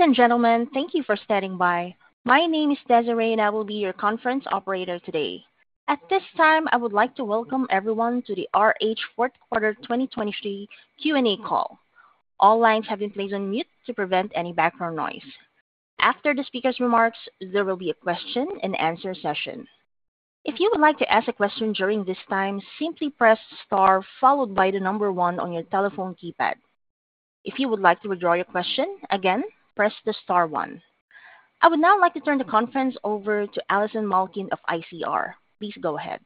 Ladies and gentlemen, thank you for standing by. My name is Desiree, and I will be your conference operator today. At this time, I would like to welcome everyone to the RH Fourth Quarter 2023 Q&A call. All lines have been placed on mute to prevent any background noise. After the speaker's remarks, there will be a question-and-answer session. If you would like to ask a question during this time, simply press star followed by the number one on your telephone keypad. If you would like to withdraw your question, again, press the star one. I would now like to turn the conference over to Allison Malkin of ICR. Please go ahead.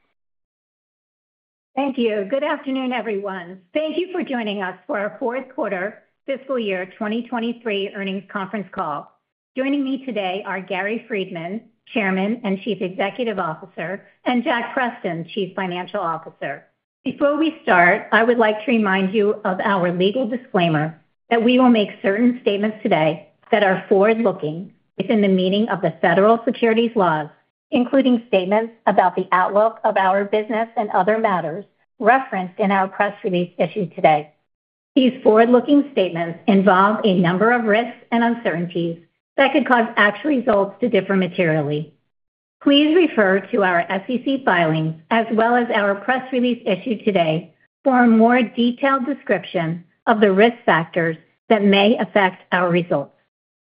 Thank you. Good afternoon, everyone. Thank you for joining us for our fourth quarter fiscal year 2023 earnings conference call. Joining me today are Gary Friedman, Chairman and Chief Executive Officer, and Jack Preston, Chief Financial Officer. Before we start, I would like to remind you of our legal disclaimer that we will make certain statements today that are forward-looking within the meaning of the federal securities laws, including statements about the outlook of our business and other matters referenced in our press release issued today. These forward-looking statements involve a number of risks and uncertainties that could cause actual results to differ materially. Please refer to our SEC filings as well as our press release issued today for a more detailed description of the risk factors that may affect our results.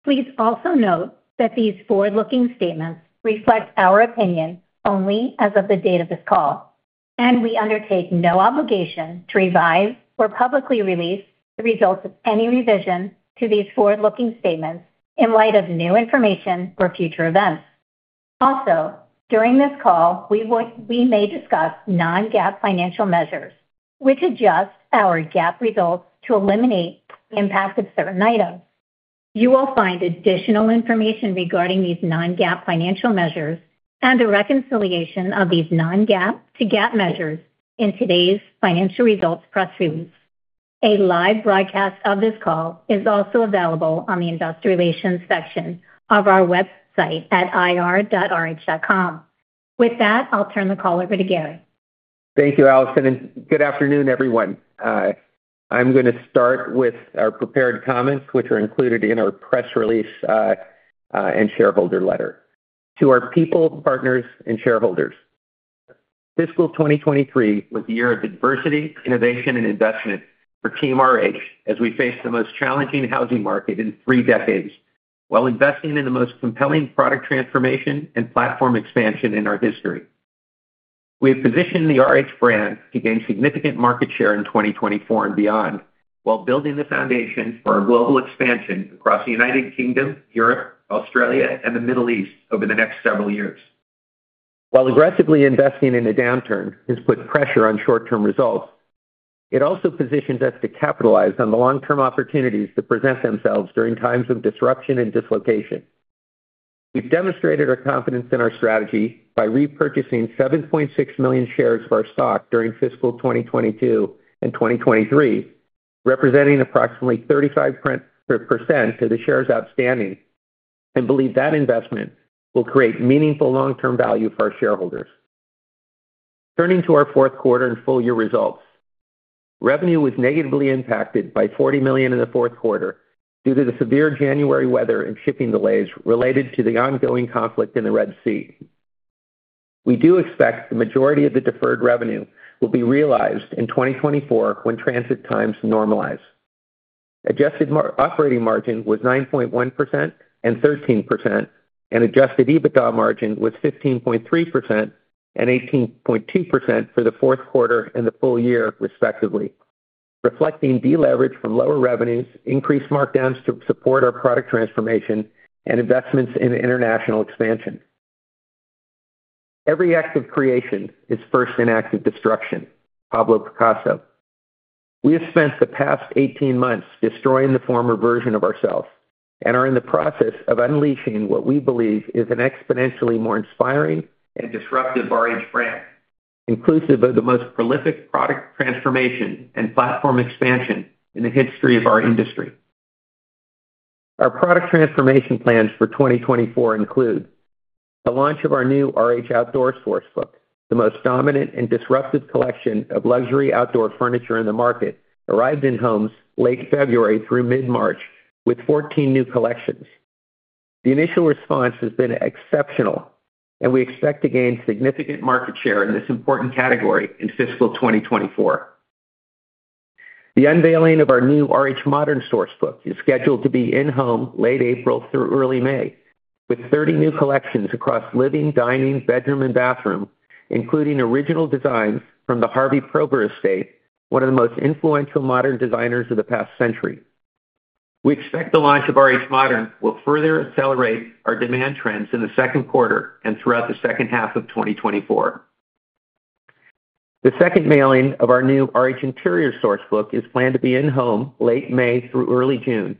Please also note that these forward-looking statements reflect our opinion only as of the date of this call, and we undertake no obligation to revise or publicly release the results of any revision to these forward-looking statements in light of new information or future events. Also, during this call, we may discuss non-GAAP financial measures, which adjust our GAAP results to eliminate the impact of certain items. You will find additional information regarding these non-GAAP financial measures and a reconciliation of these non-GAAP to GAAP measures in today's financial results press release. A live broadcast of this call is also available on the investor relations section of our website at ir.rh.com. With that, I'll turn the call over to Gary. Thank you, Allison, and good afternoon, everyone. I'm gonna start with our prepared comments, which are included in our press release, and shareholder letter. To our people, partners, and shareholders, fiscal 2023 was a year of diversity, innovation, and investment for Team RH as we faced the most challenging housing market in three decades while investing in the most compelling product transformation and platform expansion in our history. We have positioned the RH brand to gain significant market share in 2024 and beyond, while building the foundation for our global expansion across the United Kingdom, Europe, Australia, and the Middle East over the next several years. While aggressively investing in a downturn has put pressure on short-term results, it also positions us to capitalize on the long-term opportunities that present themselves during times of disruption and dislocation. We've demonstrated our confidence in our strategy by repurchasing 7.6 million shares of our stock during fiscal 2022 and 2023, representing approximately 35% of the shares outstanding, and believe that investment will create meaningful long-term value for our shareholders. Turning to our fourth quarter and full year results. Revenue was negatively impacted by $40 million in the fourth quarter due to the severe January weather and shipping delays related to the ongoing conflict in the Red Sea. We do expect the majority of the deferred revenue will be realized in 2024 when transit times normalize. Adjusted operating margin was 9.1% and 13%, and adjusted EBITDA margin was 15.3% and 18.2% for the fourth quarter and the full year, respectively, reflecting deleverage from lower revenues, increased markdowns to support our product transformation, and investments in international expansion. "Every act of creation is first an act of destruction," Pablo Picasso. We have spent the past 18 months destroying the former version of ourselves and are in the process of unleashing what we believe is an exponentially more inspiring and disruptive RH brand, inclusive of the most prolific product transformation and platform expansion in the history of our industry. Our product transformation plans for 2024 include the launch of our new RH Outdoor Source Book, the most dominant and disruptive collection of luxury Outdoor furniture in the market, arrived in homes late February through mid-March with 14 new collections. The initial response has been exceptional, and we expect to gain significant market share in this important category in fiscal 2024. The unveiling of our new RH Modern Source Book is scheduled to be in-home late April through early May, with 30 new collections across living, dining, bedroom, and bathroom, including original designs from the Harvey Probber estate, one of the most influential Modern designers of the past century. We expect the launch of RH Modern will further accelerate our demand trends in the second quarter and throughout the second half of 2024. The second mailing of our new RH Interiors Source Book is planned to be in-home late May through early June,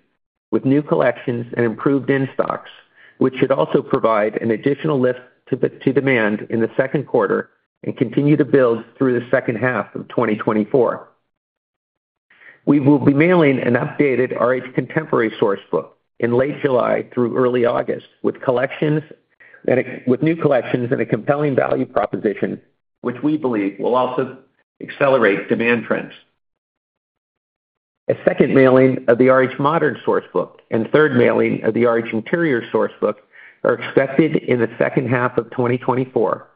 with new collections and improved in-stocks, which should also provide an additional lift to the demand in the second quarter and continue to build through the second half of 2024. We will be mailing an updated RH Contemporary Source Book in late July through early August, with new collections and a compelling value proposition, which we believe will also accelerate demand trends. A second mailing of the RH Modern Source Book and third mailing of the RH Interiors Source Book are expected in the second half of 2024,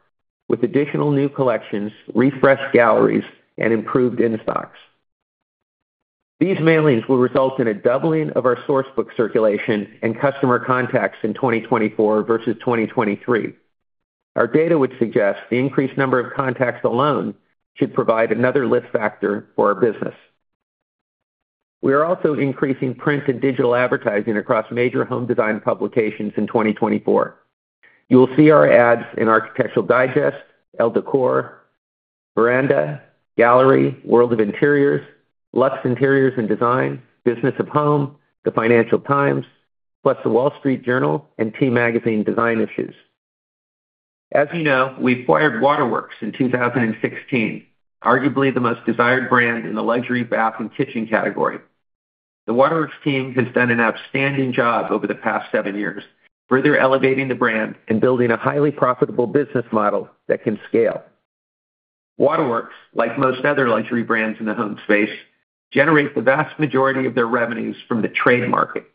with additional new collections, refreshed galleries, and improved in-stocks. These mailings will result in a doubling of our source Book circulation and customer contacts in 2024 versus 2023. Our data would suggest the increased number of contacts alone should provide another lift factor for our business. We are also increasing print and digital advertising across major home design publications in 2024. You will see our ads in Architectural Digest, Elle Decor, Veranda, Galerie, World of Interiors, Luxe Interiors and Design, Business of Home, the Financial Times, plus The Wall Street Journal and T Magazine design issues. As you know, we acquired Waterworks in 2016, arguably the most desired brand in the luxury bath and kitchen category. The Waterworks team has done an outstanding job over the past seven years, further elevating the brand and building a highly profitable business model that can scale. Waterworks, like most other luxury brands in the home space, generates the vast majority of their revenues from the trade market,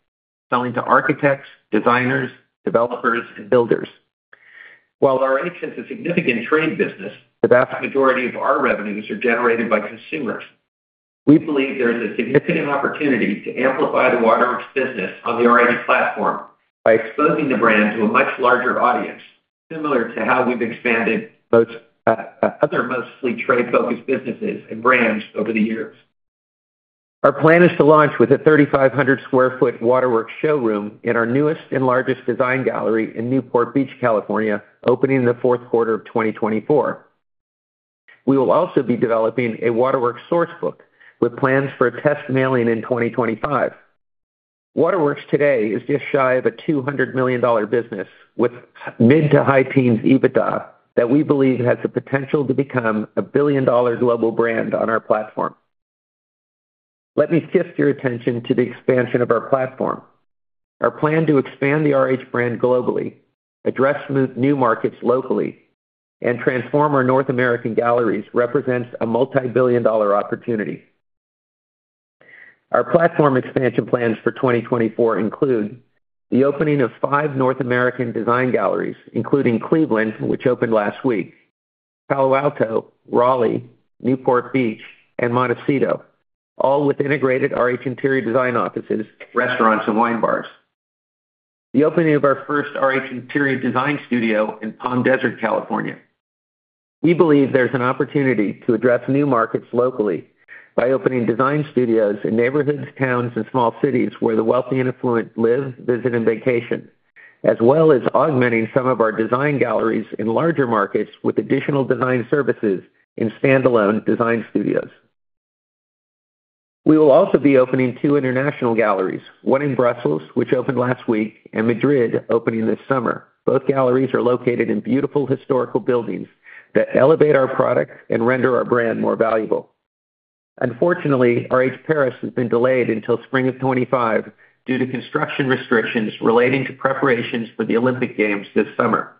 selling to architects, designers, developers, and builders. While RH has a significant trade business, the vast majority of our revenues are generated by consumers. We believe there is a significant opportunity to amplify the Waterworks business on the RH platform by exposing the brand to a much larger audience, similar to how we've expanded both other mostly trade-focused businesses and brands over the years. Our plan is to launch with a 3,500 sq ft Waterworks showroom in our newest and largest design gallery in Newport Beach, California, opening in the fourth quarter of 2024. We will also be developing a Waterworks Source Book with plans for a test mailing in 2025. Waterworks today is just shy of a $200 million business, with mid- to high-teens EBITDA, that we believe has the potential to become a billion-dollar global brand on our platform. Let me shift your attention to the expansion of our platform. Our plan to expand the RH brand globally, address new markets locally, and transform our North American galleries represents a multibillion-dollar opportunity. Our platform expansion plans for 2024 include the opening of five North American design galleries, including Cleveland, which opened last week, Palo Alto, Raleigh, Newport Beach, and Montecito, all with integrated RH interior design offices, restaurants, and wine bars. The opening of our first RH Interior Design Studio in Palm Desert, California. We believe there's an opportunity to address new markets locally by opening design studios in neighborhoods, towns, and small cities where the wealthy and affluent live, visit, and vacation, as well as augmenting some of our design galleries in larger markets with additional design services in standalone design studios. We will also be opening 2 international galleries, one in Brussels, which opened last week, and Madrid, opening this summer. Both galleries are located in beautiful historical buildings that elevate our product and render our brand more valuable. Unfortunately, RH Paris has been delayed until spring of 2025 due to construction restrictions relating to preparations for the Olympic Games this summer.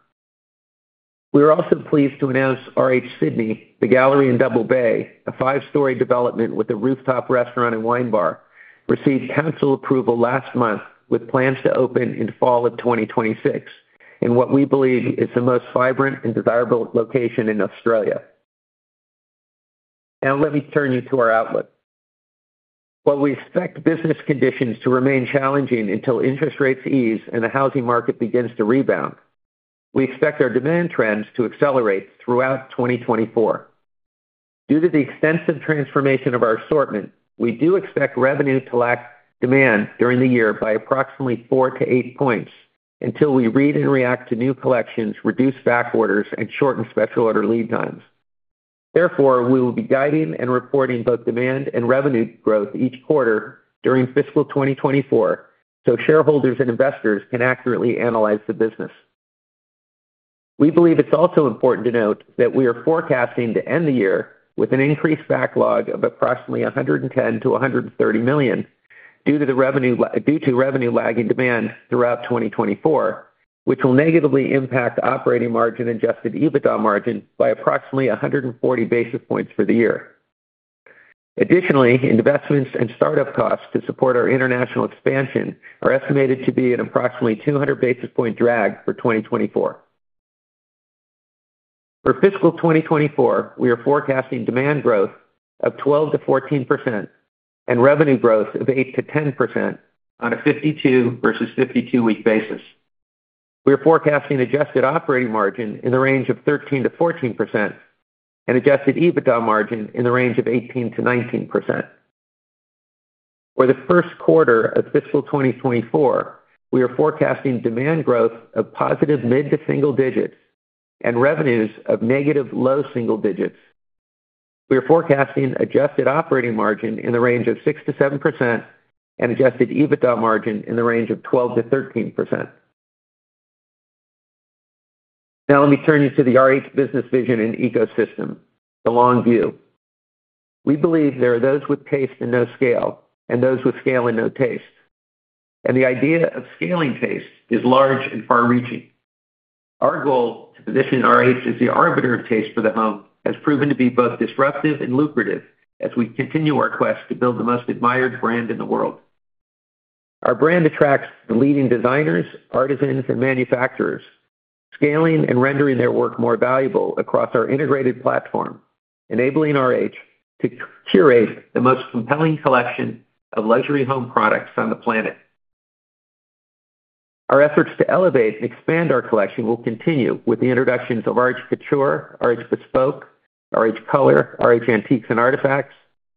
We are also pleased to announce RH Sydney, the gallery in Double Bay, a five story development with a rooftop restaurant and wine bar, received council approval last month with plans to open in fall of 2026, in what we believe is the most vibrant and desirable location in Australia. Now let me turn you to our outlook. While we expect business conditions to remain challenging until interest rates ease and the housing market begins to rebound, we expect our demand trends to accelerate throughout 2024. Due to the extensive transformation of our assortment, we do expect revenue to lack demand during the year by approximately 4-8 points until we read and react to new collections, reduce back orders, and shorten special order lead times. Therefore, we will be guiding and reporting both demand and revenue growth each quarter during fiscal 2024, so shareholders and investors can accurately analyze the business. We believe it's also important to note that we are forecasting to end the year with an increased backlog of approximately $110 million-$130 million, due to revenue lagging demand throughout 2024, which will negatively impact operating margin, adjusted EBITDA margin by approximately 140 basis points for the year. Additionally, investments and startup costs to support our international expansion are estimated to be approximately 200 basis point drag for 2024. For fiscal 2024, we are forecasting demand growth of 12%-14% and revenue growth of 8%-10% on a 52-week vs. 52-week basis. We are forecasting adjusted operating margin in the range of 13%-14% and adjusted EBITDA margin in the range of 18%-19%. For the first quarter of fiscal 2024, we are forecasting demand growth of positive mid- to single digits and revenues of negative low single digits. We are forecasting adjusted operating margin in the range of 6%-7% and adjusted EBITDA margin in the range of 12%-13%. Now let me turn you to the RH business vision and ecosystem, the long view. We believe there are those with taste and no scale, and those with scale and no taste. The idea of scaling taste is large and far-reaching.... Our goal to position RH as the arbiter of taste for the home has proven to be both disruptive and lucrative as we continue our quest to build the most admired brand in the world. Our brand attracts the leading designers, artisans, and manufacturers, scaling and rendering their work more valuable across our integrated platform, enabling RH to curate the most compelling collection of luxury home products on the planet. Our efforts to elevate and expand our collection will continue with the introductions of RH Couture, RH Bespoke, RH Color, RH Antiques and Artifacts,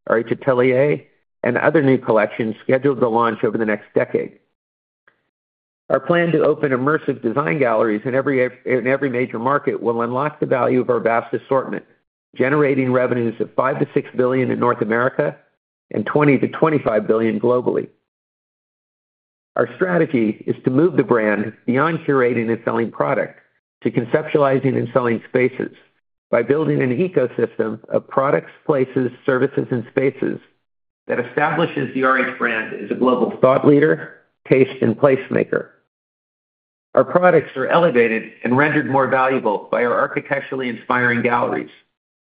RH Atelier, and other new collections scheduled to launch over the next decade. Our plan to open immersive design galleries in every major market will unlock the value of our vast assortment, generating revenues of $5billion-$6 billion in North America and $20billion-$25 billion globally. Our strategy is to move the brand beyond curating and selling product, to conceptualizing and selling spaces by building an ecosystem of products, places, services, and spaces that establishes the RH brand as a global thought leader, taste and placemaker. Our products are elevated and rendered more valuable by our architecturally inspiring galleries,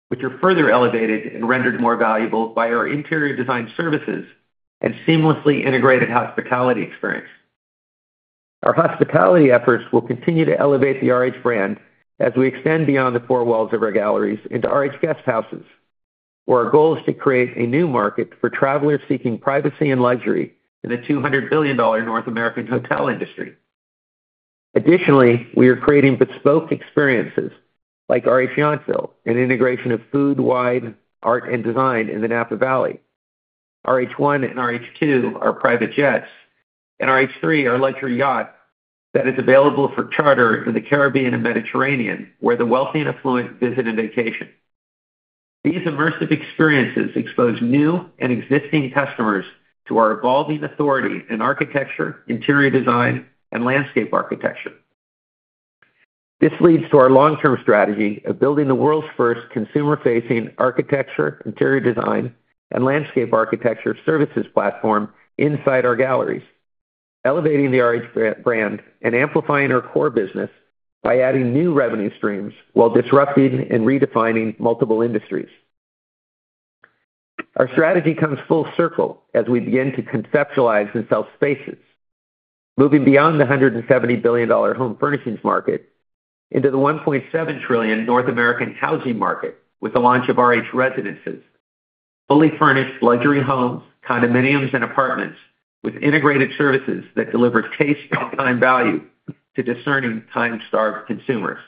which are further elevated and rendered more valuable by our interior design services and seamlessly integrated hospitality experience. Our hospitality efforts will continue to elevate the RH brand as we extend beyond the four walls of our galleries into RH Guesthouses, where our goal is to create a new market for travelers seeking privacy and luxury in the $200 billion North American hotel industry. Additionally, we are creating bespoke experiences like RH Yountville, an integration of food, wine, art, and design in the Napa Valley. RH One and RH Two are private jets, and RH Three, our luxury yacht, that is available for charter in the Caribbean and Mediterranean, where the wealthy and affluent visit and vacation. These immersive experiences expose new and existing customers to our evolving authority in architecture, interior design, and landscape architecture. This leads to our long-term strategy of building the world's first consumer-facing architecture, interior design, and landscape architecture services platform inside our galleries, elevating the RH brand and amplifying our core business by adding new revenue streams while disrupting and redefining multiple industries. Our strategy comes full circle as we begin to conceptualize and sell spaces, moving beyond the $170 billion home furnishings market into the $1.7 trillion North American housing market with the launch of RH Residences, fully furnished luxury homes, condominiums, and apartments with integrated services that deliver taste and time value to discerning, time-starved consumers.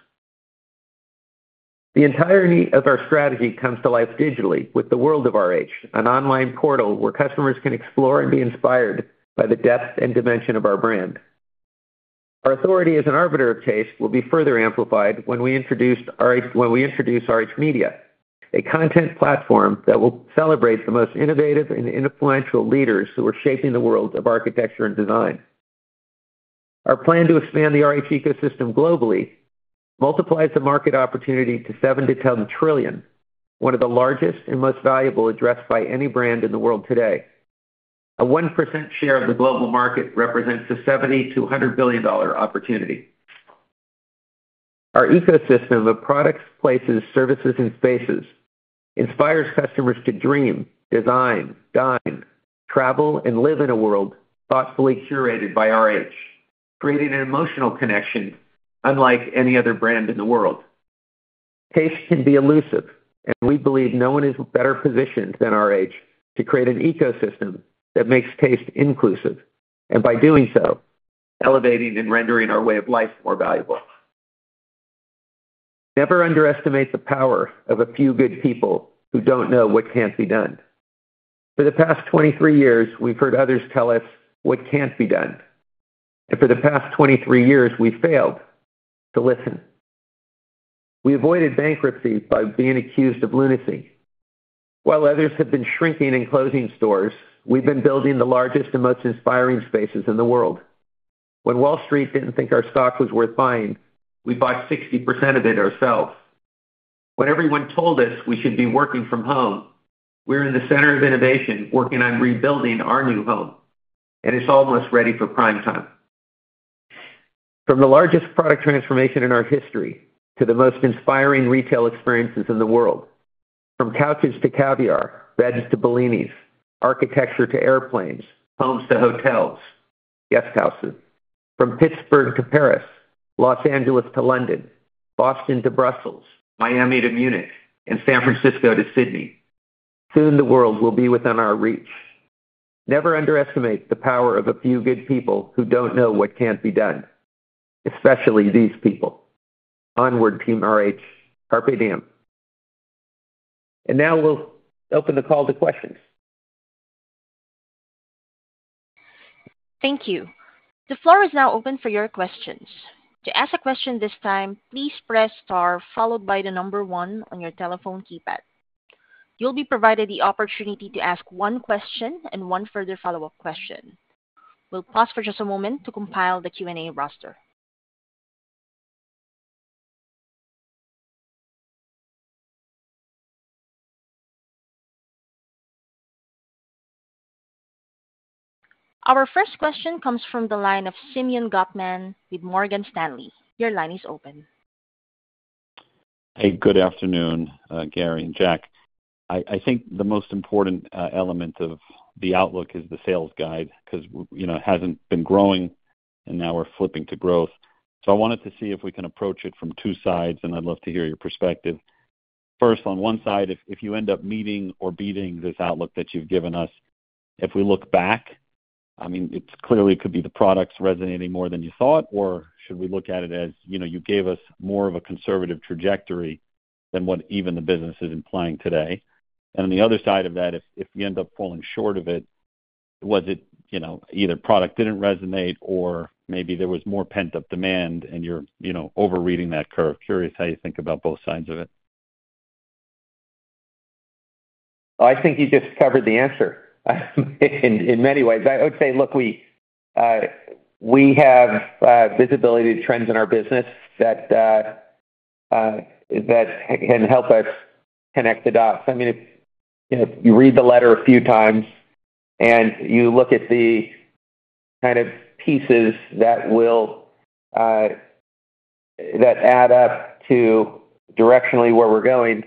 The entirety of our strategy comes to life digitally with the World of RH, an online portal where customers can explore and be inspired by the depth and dimension of our brand. Our authority as an arbiter of taste will be further amplified when we introduce RH Media, a content platform that will celebrate the most innovative and influential leaders who are shaping the world of architecture and design. Our plan to expand the RH ecosystem globally multiplies the market opportunity to $7 trillion-$10 trillion, one of the largest and most valuable addressed by any brand in the world today. A 1% share of the global market represents a $70billion-$100 billion opportunity. Our ecosystem of products, places, services, and spaces inspires customers to dream, design, dine, travel, and live in a world thoughtfully curated by RH, creating an emotional connection unlike any other brand in the world. Taste can be elusive, and we believe no one is better positioned than RH to create an ecosystem that makes taste inclusive, and by doing so, elevating and rendering our way of life more valuable. Never underestimate the power of a few good people who don't know what can't be done. For the past 23 years, we've heard others tell us what can't be done. For the past 23 years, we've failed to listen. We avoided bankruptcy by being accused of lunacy. While others have been shrinking and closing stores, we've been building the largest and most inspiring spaces in the world. When Wall Street didn't think our stock was worth buying, we bought 60% of it ourselves. When everyone told us we should be working from home, we're in the center of innovation, working on rebuilding our new home, and it's almost ready for prime time. From the largest product transformation in our history to the most inspiring retail experiences in the world, from couches to caviar, beds to Bellinis, architecture to airplanes, homes to hotels, guest houses. From Pittsburgh to Paris, Los Angeles to London, Boston to Brussels, Miami to Munich, and San Francisco to Sydney. Soon, the world will be within our reach. Never underestimate the power of a few good people who don't know what can't be done, especially these people. Onward, Team RH. Carpe Diem. And now we'll open the call to questions. Thank you. The floor is now open for your questions. To ask a question this time, please press star followed by the number one on your telephone keypad. You'll be provided the opportunity to ask one question and one further follow-up question. We'll pause for just a moment to compile the Q&A roster. Our first question comes from the line of Simeon Gutman with Morgan Stanley. Your line is open. Hey, good afternoon, Gary and Jack. I think the most important element of the outlook is the sales guide, because, you know, it hasn't been growing, and now we're flipping to growth. So I wanted to see if we can approach it from two sides, and I'd love to hear your perspective. First, on one side, if you end up meeting or beating this outlook that you've given us, if we look back, I mean, it's clearly could be the products resonating more than you thought, or should we look at it as, you know, you gave us more of a conservative trajectory than what even the business is implying today? On the other side of that, if you end up falling short of it, was it, you know, either product didn't resonate or maybe there was more pent-up demand and you're, you know, overreading that curve? Curious how you think about both sides of it. I think you just covered the answer, in, in many ways. I would say, look, we, we have visibility trends in our business that, that can help us connect the dots. I mean, if you read the letter a few times and you look at the kind of pieces that will... That add up to directionally where we're going,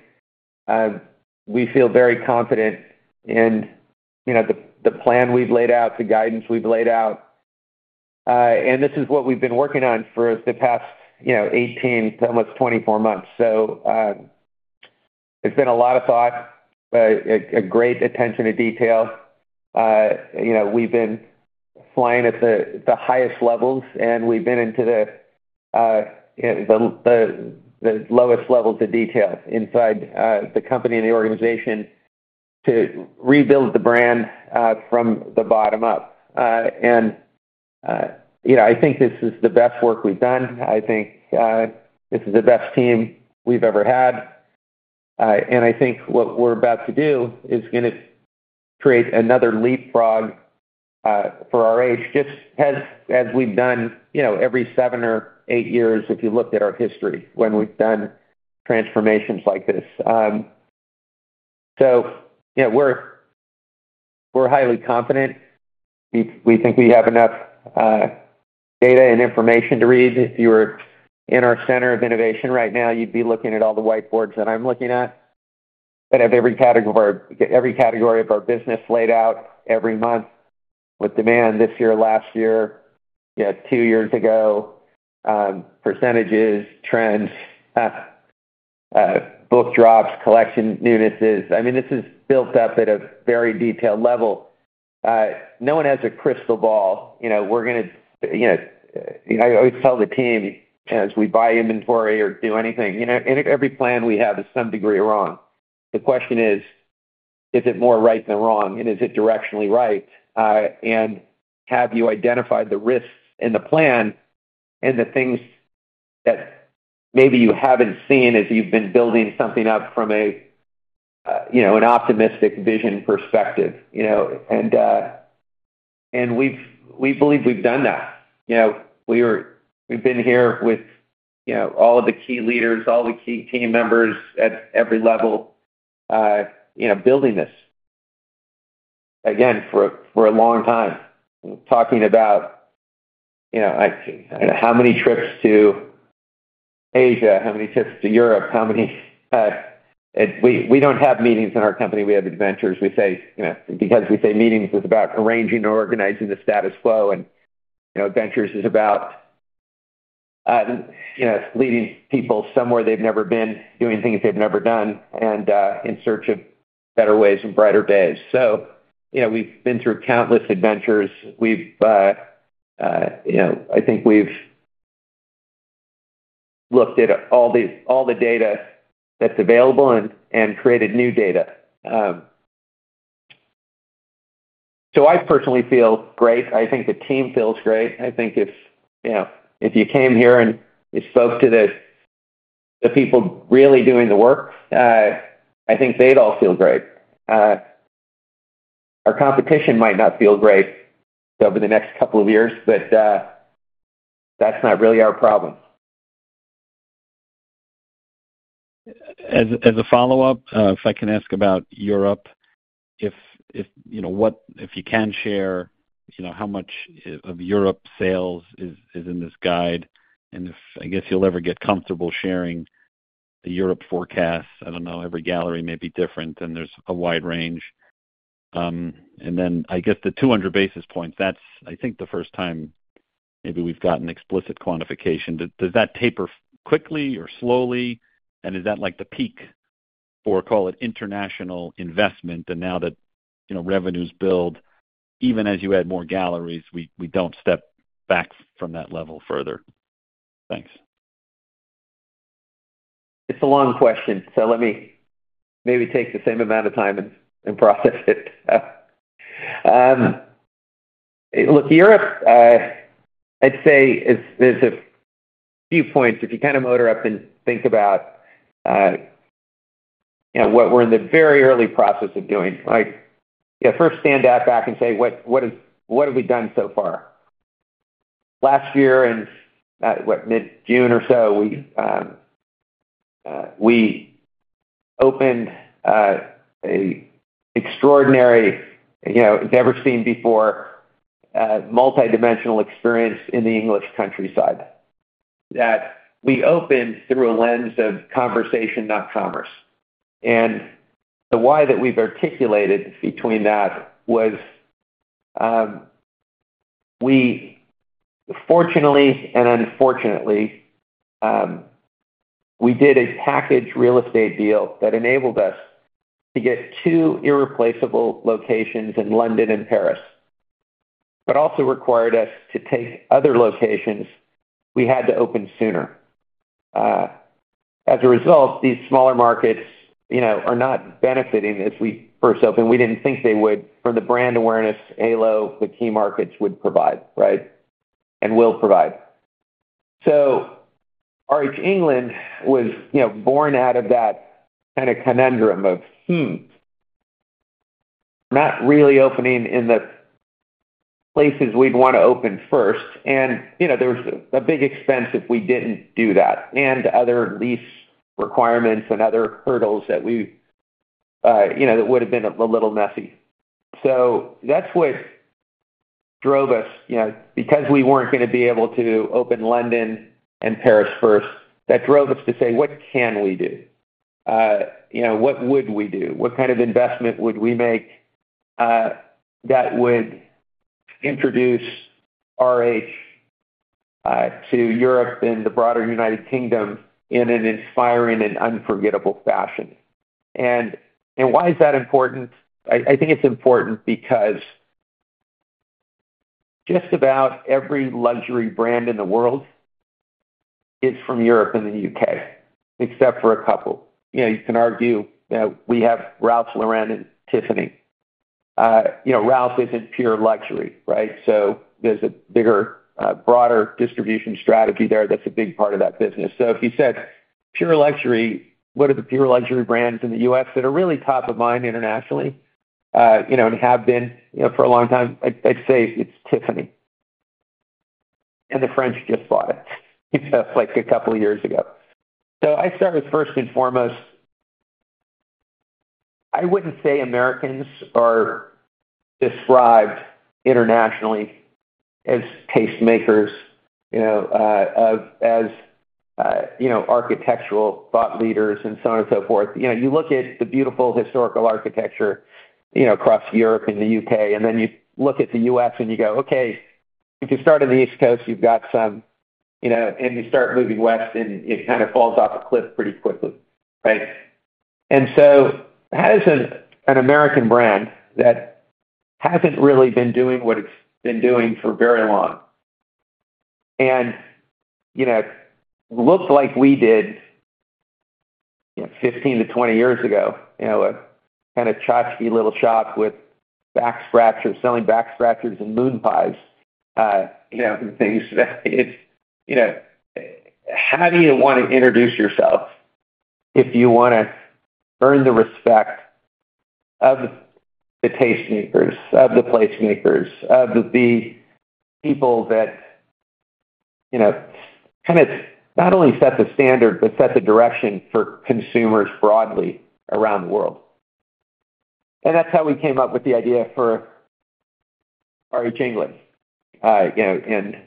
we feel very confident in, you know, the, the plan we've laid out, the guidance we've laid out. And this is what we've been working on for the past, you know, 18, almost 24 months. So, it's been a lot of thought, a, a great attention to detail. You know, we've been flying at the highest levels, and we've been into the lowest levels of detail inside the company and the organization to rebuild the brand from the bottom up. You know, I think this is the best work we've done. I think this is the best team we've ever had. I think what we're about to do is gonna create another leapfrog for our age, just as we've done, you know, every seven or eight years, if you looked at our history, when we've done transformations like this. Yeah, we're highly confident. We think we have enough data and information to read. If you were in our center of innovation right now, you'd be looking at all the whiteboards that I'm looking at, that have every category of our, every category of our business laid out every month with demand this year, last year, yeah, two years ago, percentages, trends, book drops, collection newness. I mean, this is built up at a very detailed level. No one has a crystal ball. You know, we're gonna, you know, I always tell the team as we buy inventory or do anything, you know, every plan we have is some degree wrong. The question is, is it more right than wrong? And is it directionally right? And have you identified the risks in the plan and the things that maybe you haven't seen as you've been building something up from a, you know, an optimistic vision perspective, you know? And, we believe we've done that. You know, we've been here with, you know, all of the key leaders, all the key team members at every level, you know, building this, again, for a long time. Talking about, you know, how many trips to Asia, how many trips to Europe, how many... We don't have meetings in our company. We have adventures. We say, you know, because we say meetings is about arranging or organizing the status quo, and, you know, adventures is about, you know, leading people somewhere they've never been, doing things they've never done, and, in search of better ways and brighter days. So, you know, we've been through countless adventures. We've, you know, I think we've looked at all the data that's available and created new data. So I personally feel great. I think the team feels great. I think if, you know, if you came here and you spoke to the people really doing the work, I think they'd all feel great. Our competition might not feel great over the next couple of years, but that's not really our problem. As a follow-up, if I can ask about Europe, if you can share, you know, how much of Europe sales is in this guide? And if, I guess, you'll ever get comfortable sharing the Europe forecast. I don't know, every gallery may be different and there's a wide range. And then I guess the 200 basis points, that's, I think, the first time maybe we've gotten explicit quantification. Does that taper quickly or slowly? And is that like the peak or call it international investment, and now that, you know, revenues build, even as you add more galleries, we don't step back from that level further? Thanks. It's a long question, so let me maybe take the same amount of time and process it. Look, Europe, I'd say is, there's a few points. If you kind of motor up and think about, you know, what we're in the very early process of doing. Like, yeah, first stand back and say, what—what have we done so far? Last year, in mid-June or so, we opened an extraordinary, you know, never seen before, multidimensional experience in the English countryside, that we opened through a lens of conversation, not commerce. And the why that we've articulated between that was, we fortunately and unfortunately, we did a package real estate deal that enabled us to get two irreplaceable locations in London and Paris, but also required us to take other locations we had to open sooner. As a result, these smaller markets, you know, are not benefiting as we first opened. We didn't think they would from the brand awareness, although the key markets would provide, right, and will provide. So RH England was, you know, born out of that kinda conundrum of not really opening in the places we'd want to open first. You know, there was a big expense if we didn't do that, and other lease requirements and other hurdles that we, you know, that would have been a little messy. So that's what drove us, you know, because we weren't gonna be able to open London and Paris first, that drove us to say: What can we do? You know, what would we do? What kind of investment would we make, that would introduce RH to Europe and the broader United Kingdom in an inspiring and unforgettable fashion? And why is that important? I think it's important because just about every luxury brand in the world is from Europe and the U.K., except for a couple. You know, you can argue that we have Ralph Lauren and Tiffany. You know, Ralph isn't pure luxury, right? So there's a bigger, broader distribution strategy there that's a big part of that business. So if you said pure luxury, what are the pure luxury brands in the U.S. that are really top of mind internationally, you know, and have been, you know, for a long time? I'd say it's Tiffany, and the French just bought it, like a couple of years ago. So I start with, first and foremost, I wouldn't say Americans are described internationally as tastemakers, you know, of as, you know, architectural thought leaders and so on and so forth. You know, you look at the beautiful historical architecture, you know, across Europe and the U.K., and then you look at the U.S. and you go, okay, if you start on the East Coast, you've got some, you know, and you start moving west and it kind of falls off a cliff pretty quickly, right? And so as an American brand that hasn't really been doing what it's been doing for very long, and, you know, looks like we did, you know, 15-20 years ago, you know, a kind of tchotchke little shop with back scratchers, selling back scratchers and moon pies, you know, and things. That it's, you know... How do you want to introduce yourself if you wanna earn the respect of the tastemakers, of the placemakers, of the people that, you know, kind of not only set the standard, but set the direction for consumers broadly around the world? And that's how we came up with the idea for RH England. You know, and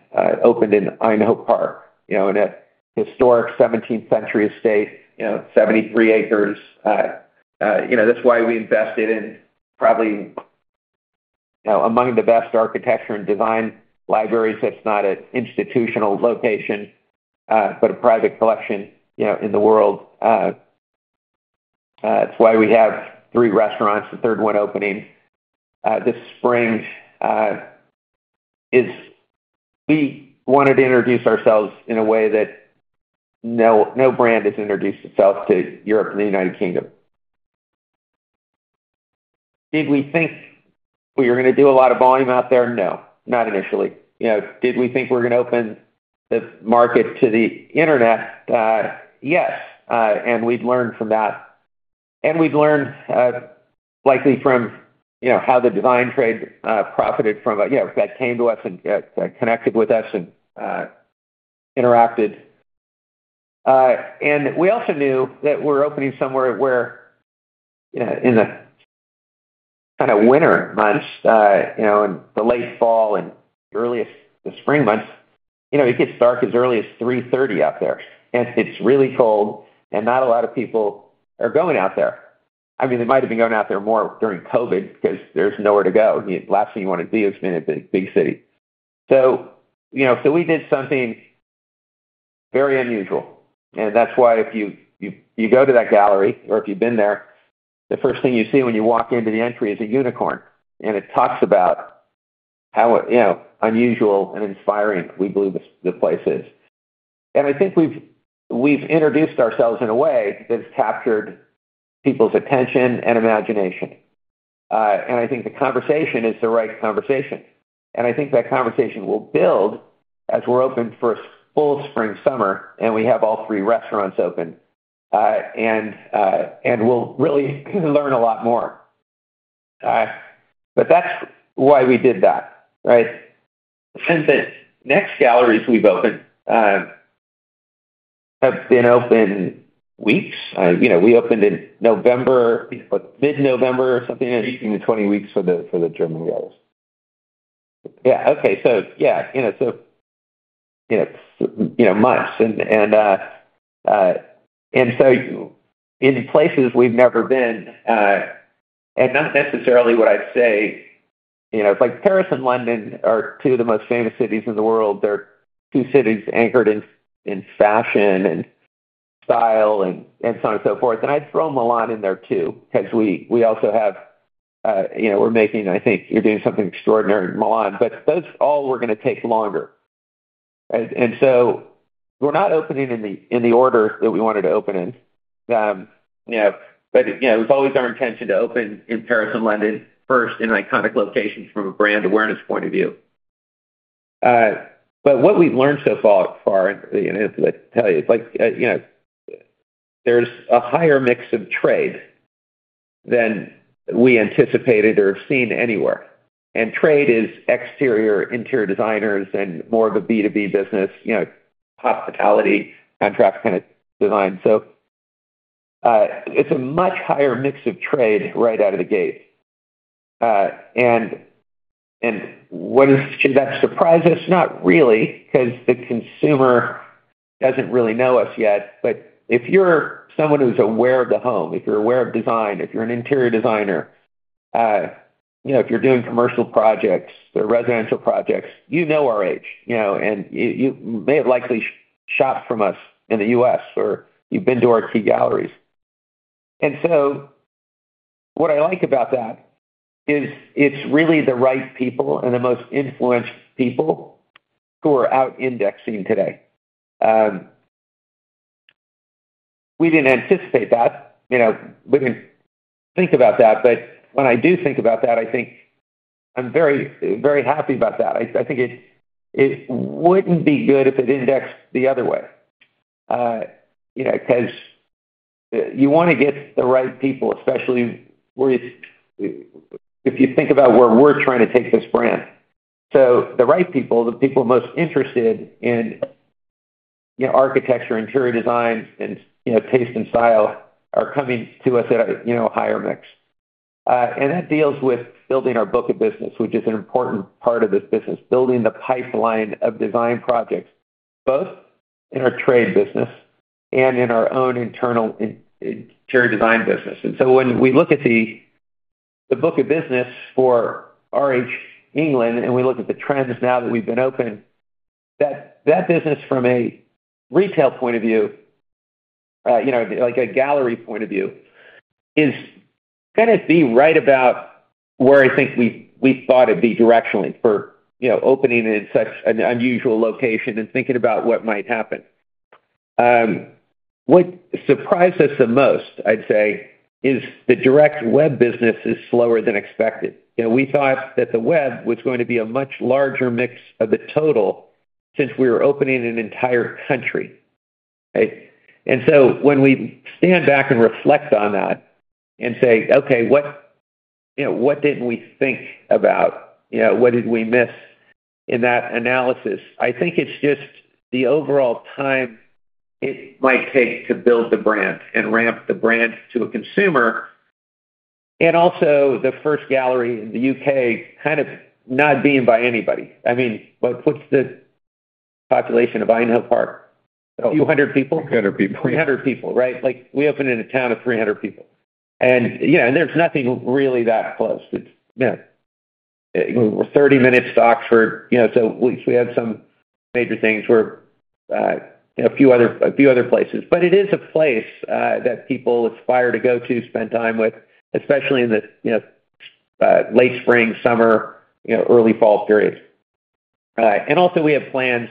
opened in Aynhoe Park, you know, in a historic seventeenth-century estate, you know, 73 acres. You know, that's why we invested in probably, you know, among the best architecture and design libraries that's not an institutional location, but a private collection, you know, in the world. That's why we have three restaurants, the third one opening this spring. It's we wanted to introduce ourselves in a way that no brand has introduced itself to Europe and the United Kingdom. Did we think we were gonna do a lot of volume out there? No, not initially. You know, did we think we're gonna open the market to the internet? Yes, and we've learned from that, and we've learned, likely from, you know, how the design trade profited from... You know, that came to us and connected with us and interacted. And we also knew that we're opening somewhere where, in the kind of winter months, you know, in the late fall and early spring months, you know, it gets dark as early as 3:30 P.M. out there, and it's really cold and not a lot of people are going out there. I mean, they might have been going out there more during COVID because there's nowhere to go. The last thing you want to do is be in a big, big city. So, you know, so we did something very unusual, and that's why if you go to that gallery or if you've been there, the first thing you see when you walk into the entry is a unicorn. And it talks about how, you know, unusual and inspiring we believe the place is. And I think we've introduced ourselves in a way that's captured people's attention and imagination. And I think the conversation is the right conversation, and I think that conversation will build as we're open for a full spring, summer, and we have all three restaurants open. And we'll really learn a lot more. But that's why we did that, right? And the next galleries we've opened have been open weeks. You know, we opened in November, what, mid-November or something? 18-20 weeks for the German galleries. Yeah. Okay. So, yeah, you know, so, you know, you know, months and, and, and so in places we've never been, and not necessarily what I'd say, you know, like Paris and London are two of the most famous cities in the world. They're two cities anchored in fashion and style and, and so on and so forth. And I'd throw Milan in there, too, 'cause we also have, you know, we're making—I think you're doing something extraordinary in Milan. But those all were gonna take longer. Right? And so we're not opening in the order that we wanted to open in. You know, but, you know, it was always our intention to open in Paris and London first, in iconic locations from a brand awareness point of view. But what we've learned so far, and, you know, let me tell you, like, you know, there's a higher mix of trade than we anticipated or have seen anywhere. And trade is exterior, interior designers and more of a B2B business, you know, hospitality, contract kind of design. So, it's a much higher mix of trade right out of the gate. And what is—Did that surprise us? Not really, 'cause the consumer doesn't really know us yet. But if you're someone who's aware of the home, if you're aware of design, if you're an interior designer, you know, if you're doing commercial projects or residential projects, you know RH. You know, and you may have likely shopped from us in the U.S. or you've been to our key galleries. And so what I like about that is it's really the right people and the most influenced people who are out indexing today. We didn't anticipate that. You know, we didn't think about that, but when I do think about that, I think I'm very, very happy about that. I, I think it, it wouldn't be good if it indexed the other way. You know, 'cause you wanna get the right people, especially where it's if you think about where we're trying to take this brand. So the right people, the people most interested in, you know, architecture, interior design, and, you know, taste and style, are coming to us at a, you know, higher mix. And that deals with building our book of business, which is an important part of this business. Building the pipeline of design projects, both in our trade business and in our own internal interior design business. And so when we look at the book of business for RH England, and we look at the trends now that we've been open, that business from a retail point of view, you know, like a gallery point of view, is gonna be right about where I think we thought it'd be directionally for, you know, opening in such an unusual location and thinking about what might happen. What surprised us the most, I'd say, is the direct web business is slower than expected. You know, we thought that the web was going to be a much larger mix of the total since we were opening an entire country. Right? And so when we stand back and reflect on that and say, "Okay, what, you know, what didn't we think about? You know, what did we miss in that analysis?" I think it's just the overall time it might take to build the brand and ramp the brand to a consumer, and also the first gallery in the U.K., kind of not being by anybody. I mean, what's the population of Aynhoe Park? A few hundred people? 300 people. 300 people, right? Like, we opened in a town of 300 people. And, yeah, and there's nothing really that close. It's, you know, we're 30 minutes to Oxford, you know, so we had some major things where a few other places. But it is a place that people aspire to go to, spend time with, especially in the late spring, summer, you know, early fall periods. And also we have plans,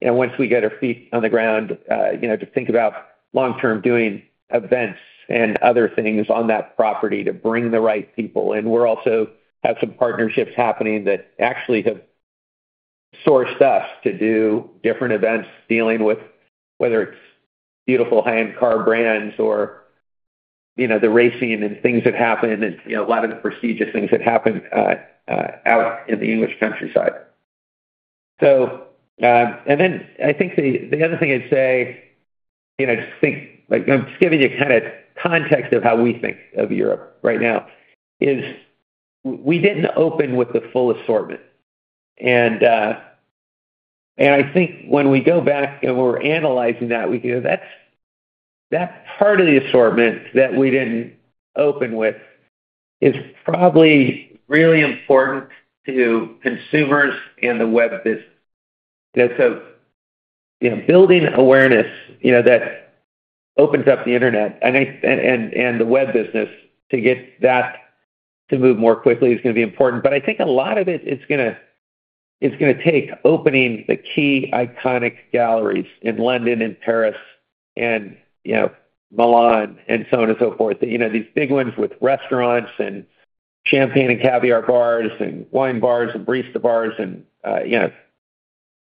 you know, once we get our feet on the ground, you know, to think about long-term doing events and other things on that property to bring the right people in. We're also have some partnerships happening that actually have sourced us to do different events dealing with whether it's beautiful high-end car brands or, you know, the racing and things that happen, and, you know, a lot of the prestigious things that happen out in the English countryside. And then I think the other thing I'd say, you know, just think, like I'm just giving you a kind of context of how we think of Europe right now, is we didn't open with the full assortment. And, and I think when we go back and we're analyzing that, we go, "That's that part of the assortment that we didn't open with is probably really important to consumers and the web business." So, you know, building awareness, you know, that opens up the internet and the web business to get that to move more quickly is gonna be important. But I think a lot of it, it's gonna take opening the key iconic galleries in London and Paris and, you know, Milan and so on and so forth. You know, these big ones with restaurants and champagne and caviar bars and wine bars and barista bars and, you know,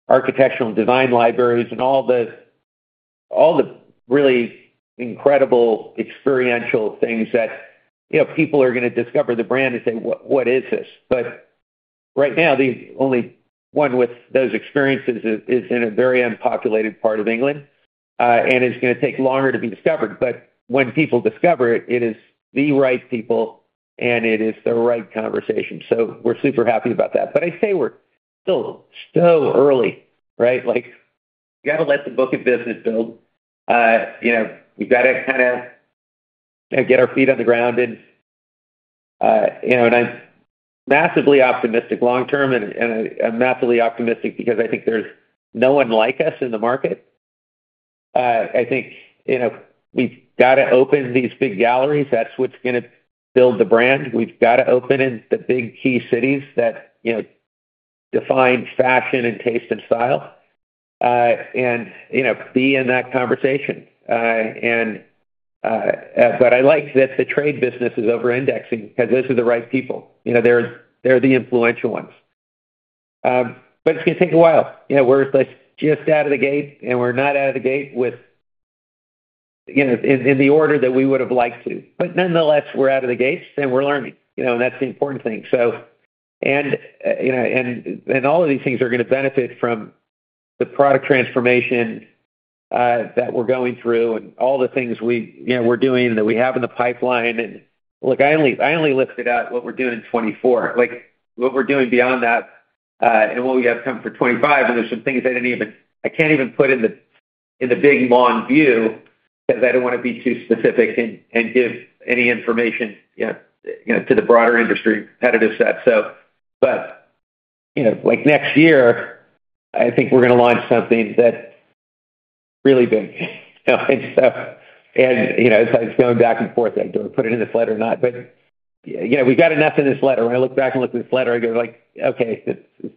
architectural and design libraries, and all the-... All the really incredible experiential things that, you know, people are going to discover the brand and say, "What, what is this?" But right now, the only one with those experiences is in a very unpopulated part of England, and it's going to take longer to be discovered. But when people discover it, it is the right people, and it is the right conversation. So we're super happy about that. But I say we're still so early, right? Like, we got to let the book of business build. You know, we've got to kind of get our feet on the ground and, you know, and I'm massively optimistic long term, and, and I'm massively optimistic because I think there's no one like us in the market. I think, you know, we've got to open these big galleries. That's what's gonna build the brand. We've got to open in the big key cities that, you know, define fashion and taste and style, and, you know, be in that conversation. And, but I like that the trade business is over-indexing because those are the right people. You know, they're the influential ones. But it's going to take a while. You know, we're like, just out of the gate, and we're not out of the gate with, you know, in the order that we would have liked to. But nonetheless, we're out of the gates, and we're learning, you know, and that's the important thing. So, and, you know, and all of these things are going to benefit from the product transformation that we're going through and all the things we, you know, we're doing that we have in the pipeline. And look, I only, I only listed out what we're doing in 2024. Like, what we're doing beyond that, and what we have coming for 2025, and there's some things I can't even put in the, in the big long view because I don't want to be too specific and, and give any information, you know, you know, to the broader industry, how to set. But, you know, like, next year, I think we're going to launch something that's really big. And so, and, you know, it's like going back and forth. Do I put it in this letter or not? But, you know, we've got enough in this letter. When I look back and look at this letter, I go like, "Okay, it's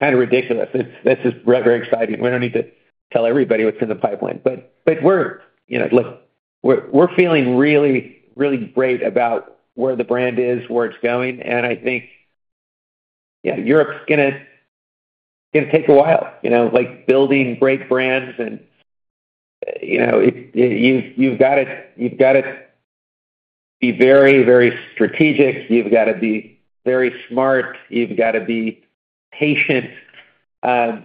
kind of ridiculous. This is very exciting. We don't need to tell everybody what's in the pipeline." But we're, you know—look, we're feeling really, really great about where the brand is, where it's going, and I think, yeah, Europe's gonna take a while. You know, like, building great brands and, you know, it—you've got to, you've got to be very, very strategic. You've got to be very smart. You've got to be patient. Yeah,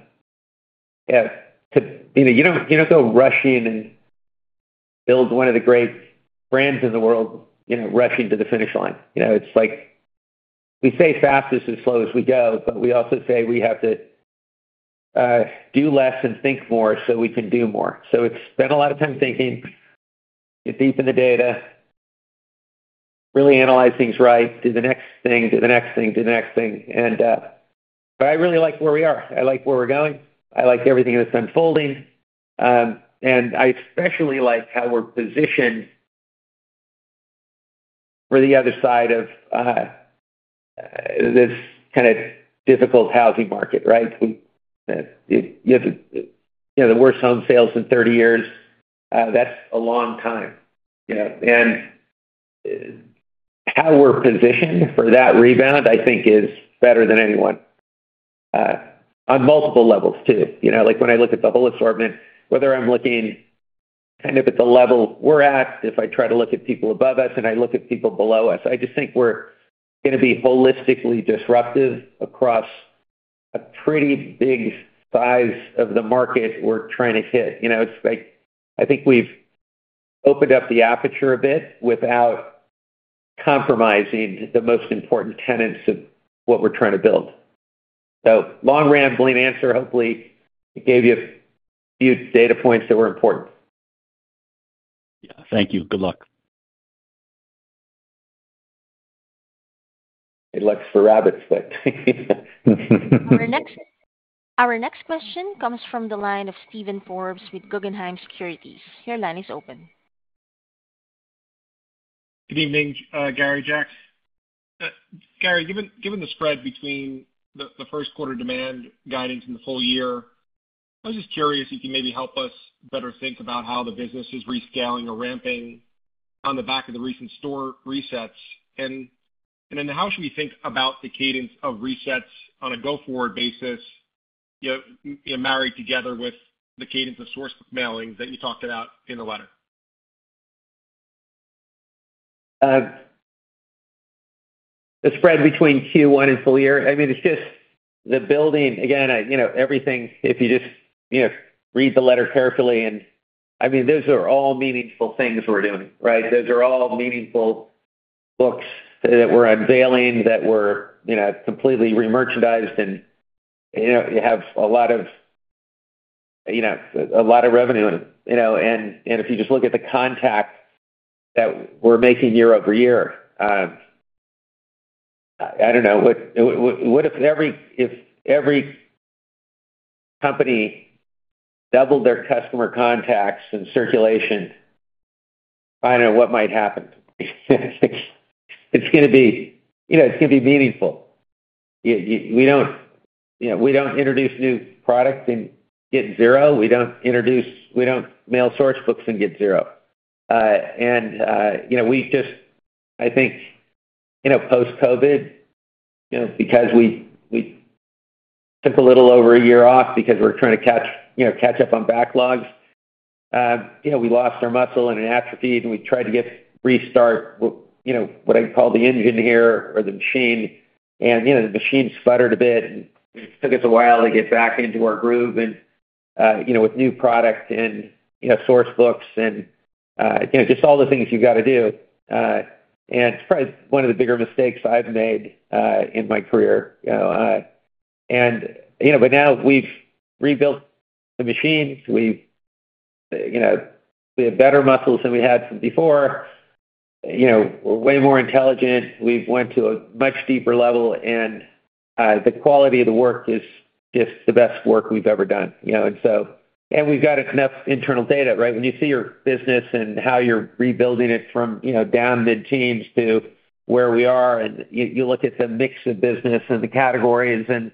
you know, you don't, you don't go rushing and build one of the great brands in the world, you know, rushing to the finish line. You know, it's like we say fast as and slow as we go, but we also say we have to do less and think more so we can do more. So it's spent a lot of time thinking, get deep in the data, really analyze things right, do the next thing, do the next thing, do the next thing. And, but I really like where we are. I like where we're going. I like everything that's unfolding. And I especially like how we're positioned for the other side of this kind of difficult housing market, right? We, you have, you know, the worst home sales in 30 years. That's a long time, you know, and how we're positioned for that rebound, I think, is better than anyone on multiple levels too. You know, like, when I look at the whole assortment, whether I'm looking kind of at the level we're at, if I try to look at people above us and I look at people below us, I just think we're going to be holistically disruptive across a pretty big size of the market we're trying to hit. You know, it's like, I think we've opened up the aperture a bit without compromising the most important tenets of what we're trying to build. So long, rambling answer. Hopefully, it gave you a few data points that were important. Yeah. Thank you. Good luck. It looks for rabbits, but Our next question comes from the line of Steven Forbes with Guggenheim Securities. Your line is open. Good evening, Gary, Jack. Gary, given the spread between the first quarter demand guidance in the full year, I was just curious if you could maybe help us better think about how the business is rescaling or ramping on the back of the recent store resets. And then how should we think about the cadence of resets on a go-forward basis, you know, married together with the cadence of source mailings that you talked about in the letter? The spread between Q1 and full year. I mean, it's just the building... Again, you know, everything, if you just, you know, read the letter carefully and, I mean, those are all meaningful things we're doing, right? Those are all meaningful books that we're unveiling, that we're, you know, completely remerchandised and, you know, have a lot of, you know, a lot of revenue. You know, and, and if you just look at the contacts that we're making year-over-year, I don't know, what, what if every, if every company doubled their customer contacts and circulation, I don't know what might happen? It's, it's going to be, you know, it's going to be meaningful. We don't, you know, we don't introduce new product and get zero. We don't introduce—we don't mail Source Books and get zero. you know, we just, I think, you know, post-COVID, you know, because we took a little over a year off because we're trying to catch, you know, catch up on backlogs. you know, we lost our muscle and it atrophied, and we tried to get restart, you know, what I call the engine here or the machine. you know, the machine sputtered a bit, and it took us a while to get back into our groove and, you know, with new product and, you know, Source Books and, you know, just all the things you've got to do. and it's probably one of the bigger mistakes I've made in my career, you know, but now we've rebuilt the machines. We've, you know, we have better muscles than we had before. You know, we're way more intelligent. We've went to a much deeper level, and the quality of the work is just the best work we've ever done, you know. And so, and we've got enough internal data, right? When you see your business and how you're rebuilding it from, you know, down mid-teens to where we are, and you look at the mix of business and the categories, and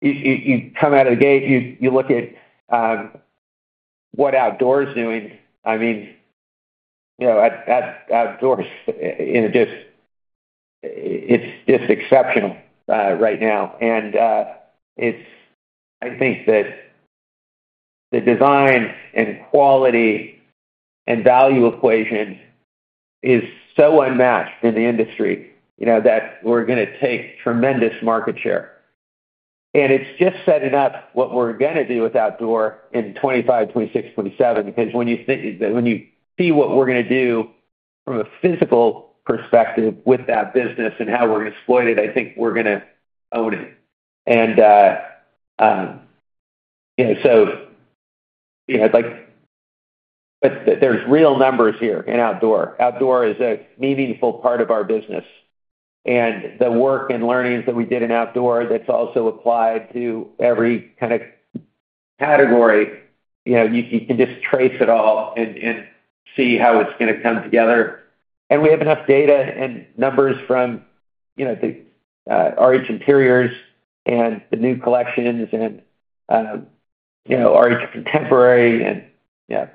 you come out of the gate, you look at what Outdoor is doing. I mean, you know, at Outdoors, it's just exceptional right now. And it's I think that the design and quality and value equation is so unmatched in the industry, you know, that we're gonna take tremendous market share. And it's just setting up what we're gonna do with Outdoor in 2025, 2026, 2027, because when you see what we're gonna do from a physical perspective with that business and how we're gonna exploit it, I think we're gonna own it. And, you know, so, you know, like, there's real numbers here in Outdoor. Outdoor is a meaningful part of our business, and the work and learnings that we did in Outdoor, that's also applied to every kind of category. You know, you can just trace it all and see how it's gonna come together. And we have enough data and numbers from, you know, the RH Interiors and the new collections and, you know, RH Contemporary and, yeah,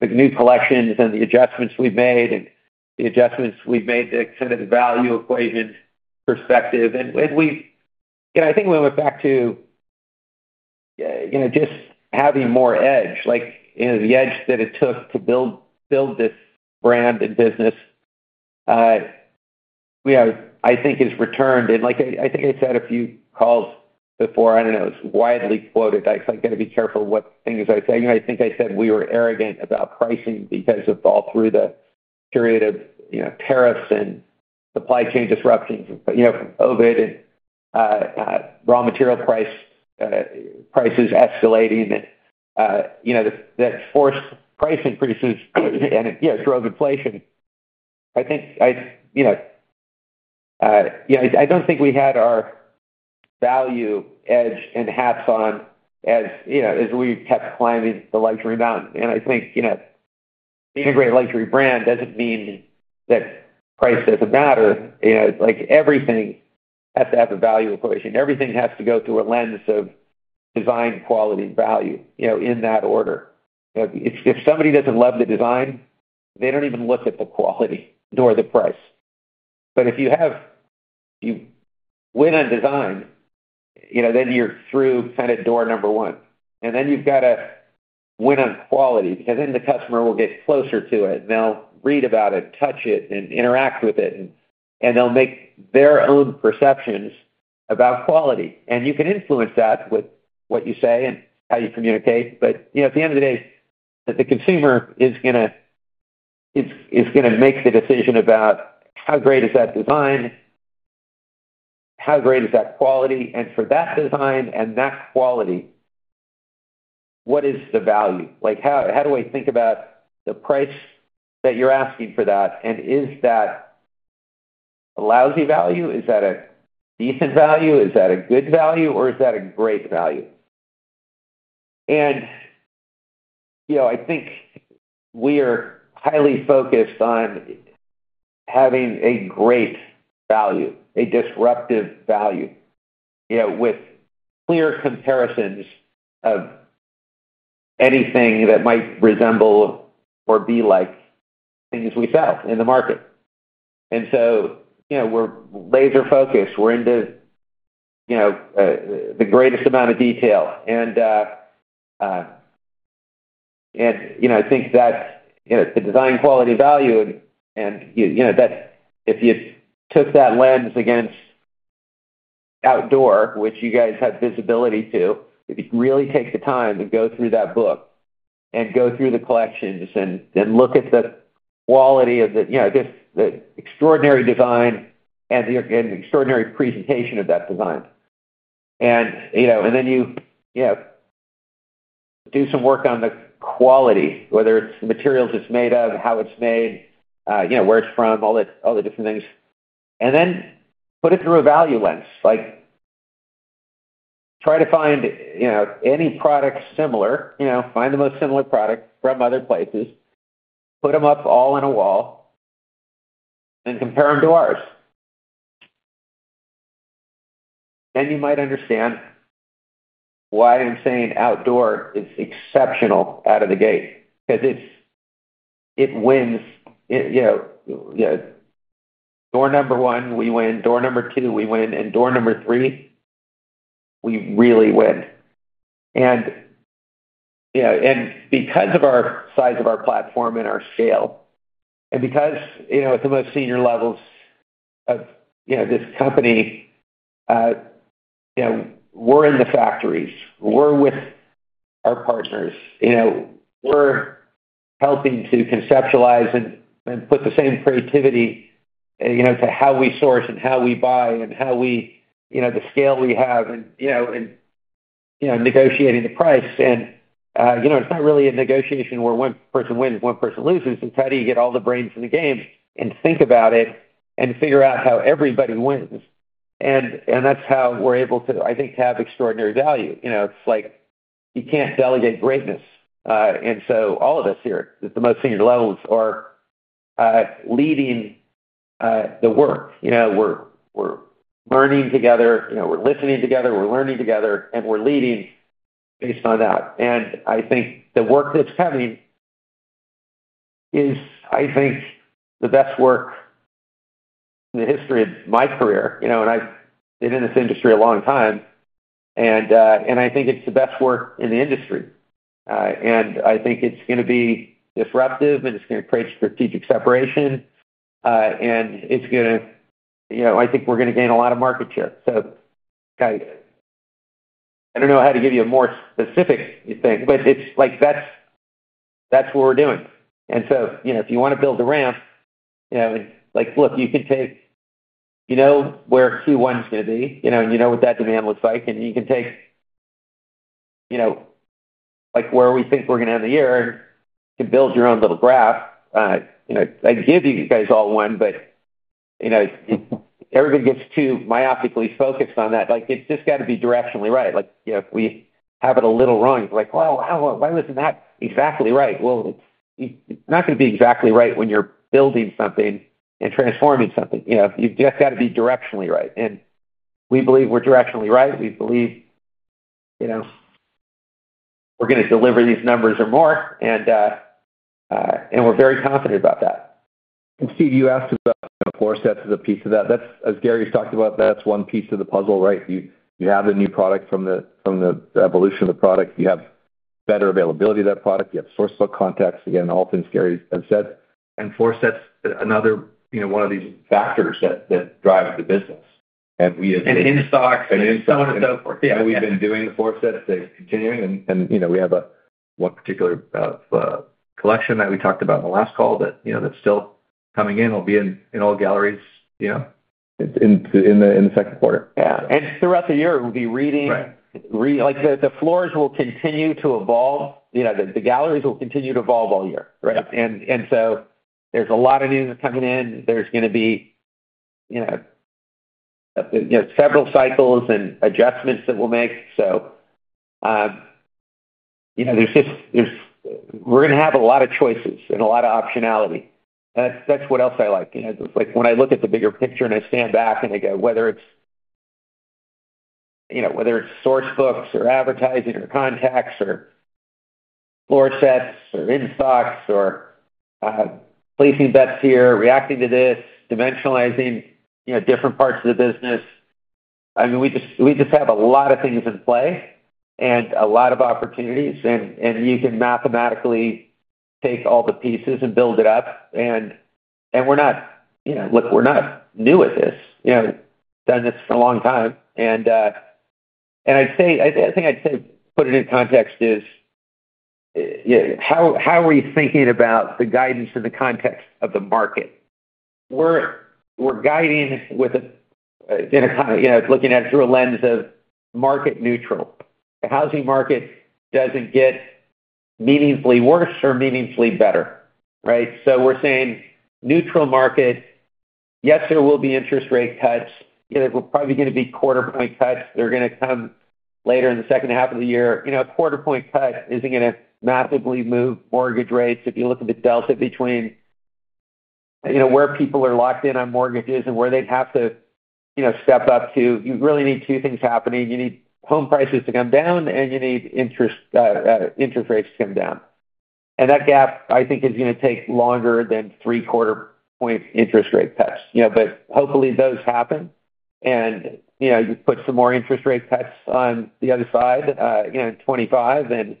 the new collections and the adjustments we've made, and the adjustments we've made to kind of the value equation perspective. And we—you know, I think when we're back to, you know, just having more edge, like, you know, the edge that it took to build this brand and business, we have, I think, has returned. And like I think I said a few calls before, I don't know, it's widely quoted. I kind of got to be careful what things I say. I think I said we were arrogant about pricing because of all through the period of, you know, tariffs and supply chain disruptions, you know, from COVID and, raw material prices escalating and, you know, that forced price increases and, you know, drove inflation. I think, I, you know, I don't think we had our value edge and hats on, as, you know, as we kept climbing the luxury mountain. I think, you know, being a great luxury brand doesn't mean that price doesn't matter. You know, like, everything has to have a value equation. Everything has to go through a lens of design, quality, value, you know, in that order. If somebody doesn't love the design, they don't even look at the quality nor the price. But if you have, you win on design, you know, then you're through kind of door number one, and then you've got to win on quality, because then the customer will get closer to it, and they'll read about it, touch it, and interact with it, and they'll make their own perceptions about quality. And you can influence that with what you say and how you communicate. But, you know, at the end of the day, the consumer is gonna make the decision about how great is that design, how great is that quality? And for that design and that quality, what is the value? Like, how do I think about the price that you're asking for that, and is that a lousy value? Is that a decent value? Is that a good value, or is that a great value? And, you know, I think we are highly focused on having a great value, a disruptive value, you know, with clear comparisons of anything that might resemble or be like things we sell in the market. And so, you know, we're laser-focused. We're into, you know, the greatest amount of detail. You know, I think that, you know, the design quality value and, you know, that if you took that lens against Outdoor, which you guys have visibility to, if you really take the time to go through that book and go through the collections and look at the quality of the, you know, just the extraordinary design and the extraordinary presentation of that design. You know, then you, you know, do some work on the quality, whether it's the materials it's made of, how it's made, you know, where it's from, all the different things, and then put it through a value lens. Like, try to find, you know, any product similar, you know, find the most similar product from other places, put them up all on a wall and compare them to ours. Then you might understand... Why I'm saying Outdoor is exceptional out of the gate, 'cause it's, it wins. It, you know, yeah, door number one, we win. Door number two, we win, and door number three, we really win. And, you know, and because of our size of our platform and our scale, and because, you know, at the most senior levels of, you know, this company, you know, we're in the factories. We're with our partners. You know, we're helping to conceptualize and, and put the same creativity, you know, to how we source and how we buy and how we, you know, the scale we have and, you know, and, you know, negotiating the price. And, you know, it's not really a negotiation where one person wins, one person loses. It's how do you get all the brains in the game and think about it and figure out how everybody wins? And that's how we're able to, I think, have extraordinary value. You know, it's like you can't delegate greatness. And so all of us here, at the most senior levels, are leading the work. You know, we're learning together, you know, we're listening together, we're learning together, and we're leading based on that. And I think the work that's coming is, I think, the best work in the history of my career, you know, and I've been in this industry a long time, and I think it's the best work in the industry. And I think it's gonna be disruptive, and it's gonna create strategic separation, and it's gonna... You know, I think we're gonna gain a lot of market share. So I, I don't know how to give you a more specific thing, but it's like, that's, that's what we're doing. And so, you know, if you wanna build a ramp, you know, like, look, you could take... You know, where Q1 is gonna be, you know, and you know what that demand looks like, and you can take, you know, like, where we think we're gonna end the year, to build your own little graph. You know, I'd give you guys all one, but, you know, if everybody gets too myopically focused on that, like, it's just got to be directionally right. Like, you know, if we have it a little wrong, like, "Well, how, why wasn't that exactly right?" Well, it's not gonna be exactly right when you're building something and transforming something. You know, you've just got to be directionally right, and we believe we're directionally right. We believe, you know, we're gonna deliver these numbers or more, and we're very confident about that. Steve, you asked about the floor sets as a piece of that. That's, as Gary's talked about, that's one piece of the puzzle, right? You have the new product from the evolution of the product. You have better availability of that product. You have Source Book contacts. Again, all things Gary has said. And floor sets, another, you know, one of these factors that drives the business. And we as- In-stocks- In-stock. So on and so forth. Yeah. We've been doing the floor sets, they're continuing, and you know, we have one particular collection that we talked about in the last call that, you know, that's still coming in, will be in all galleries, you know? In the second quarter. Yeah. Throughout the year, we'll be reading- Right. Like, the floors will continue to evolve. You know, the galleries will continue to evolve all year, right? Yep. So there's a lot of new coming in. There's gonna be, you know, you know, several cycles and adjustments that we'll make. So, you know, there's just. We're gonna have a lot of choices and a lot of optionality. That's what else I like. You know, like, when I look at the bigger picture, and I stand back and I go, whether it's, you know, whether it's Source Books or advertising or contacts or floor sets or in-stocks or, placing bets here, reacting to this, dimensionalizing, you know, different parts of the business, I mean, we just have a lot of things in play and a lot of opportunities, and you can mathematically take all the pieces and build it up, and we're not, you know... Look, we're not new at this. You know, done this a long time. And I'd say, I think I'd say put it in context is, yeah, how are we thinking about the guidance in the context of the market? We're guiding with a, in a kind, you know, looking at it through a lens of market neutral. The housing market doesn't get meaningfully worse or meaningfully better, right? So we're saying neutral market. Yes, there will be interest rate cuts. They're probably gonna be quarter point cuts. They're gonna come later in the second half of the year. You know, a quarter point cut isn't gonna massively move mortgage rates. If you look at the delta between, you know, where people are locked in on mortgages and where they'd have to, you know, step up to, you really need two things happening: You need home prices to come down, and you need interest, interest rates to come down. And that gap, I think, is gonna take longer than 0.75-point interest rate cuts. You know, but hopefully, those happen and, you know, you put some more interest rate cuts on the other side, you know, 25, and, and, you know,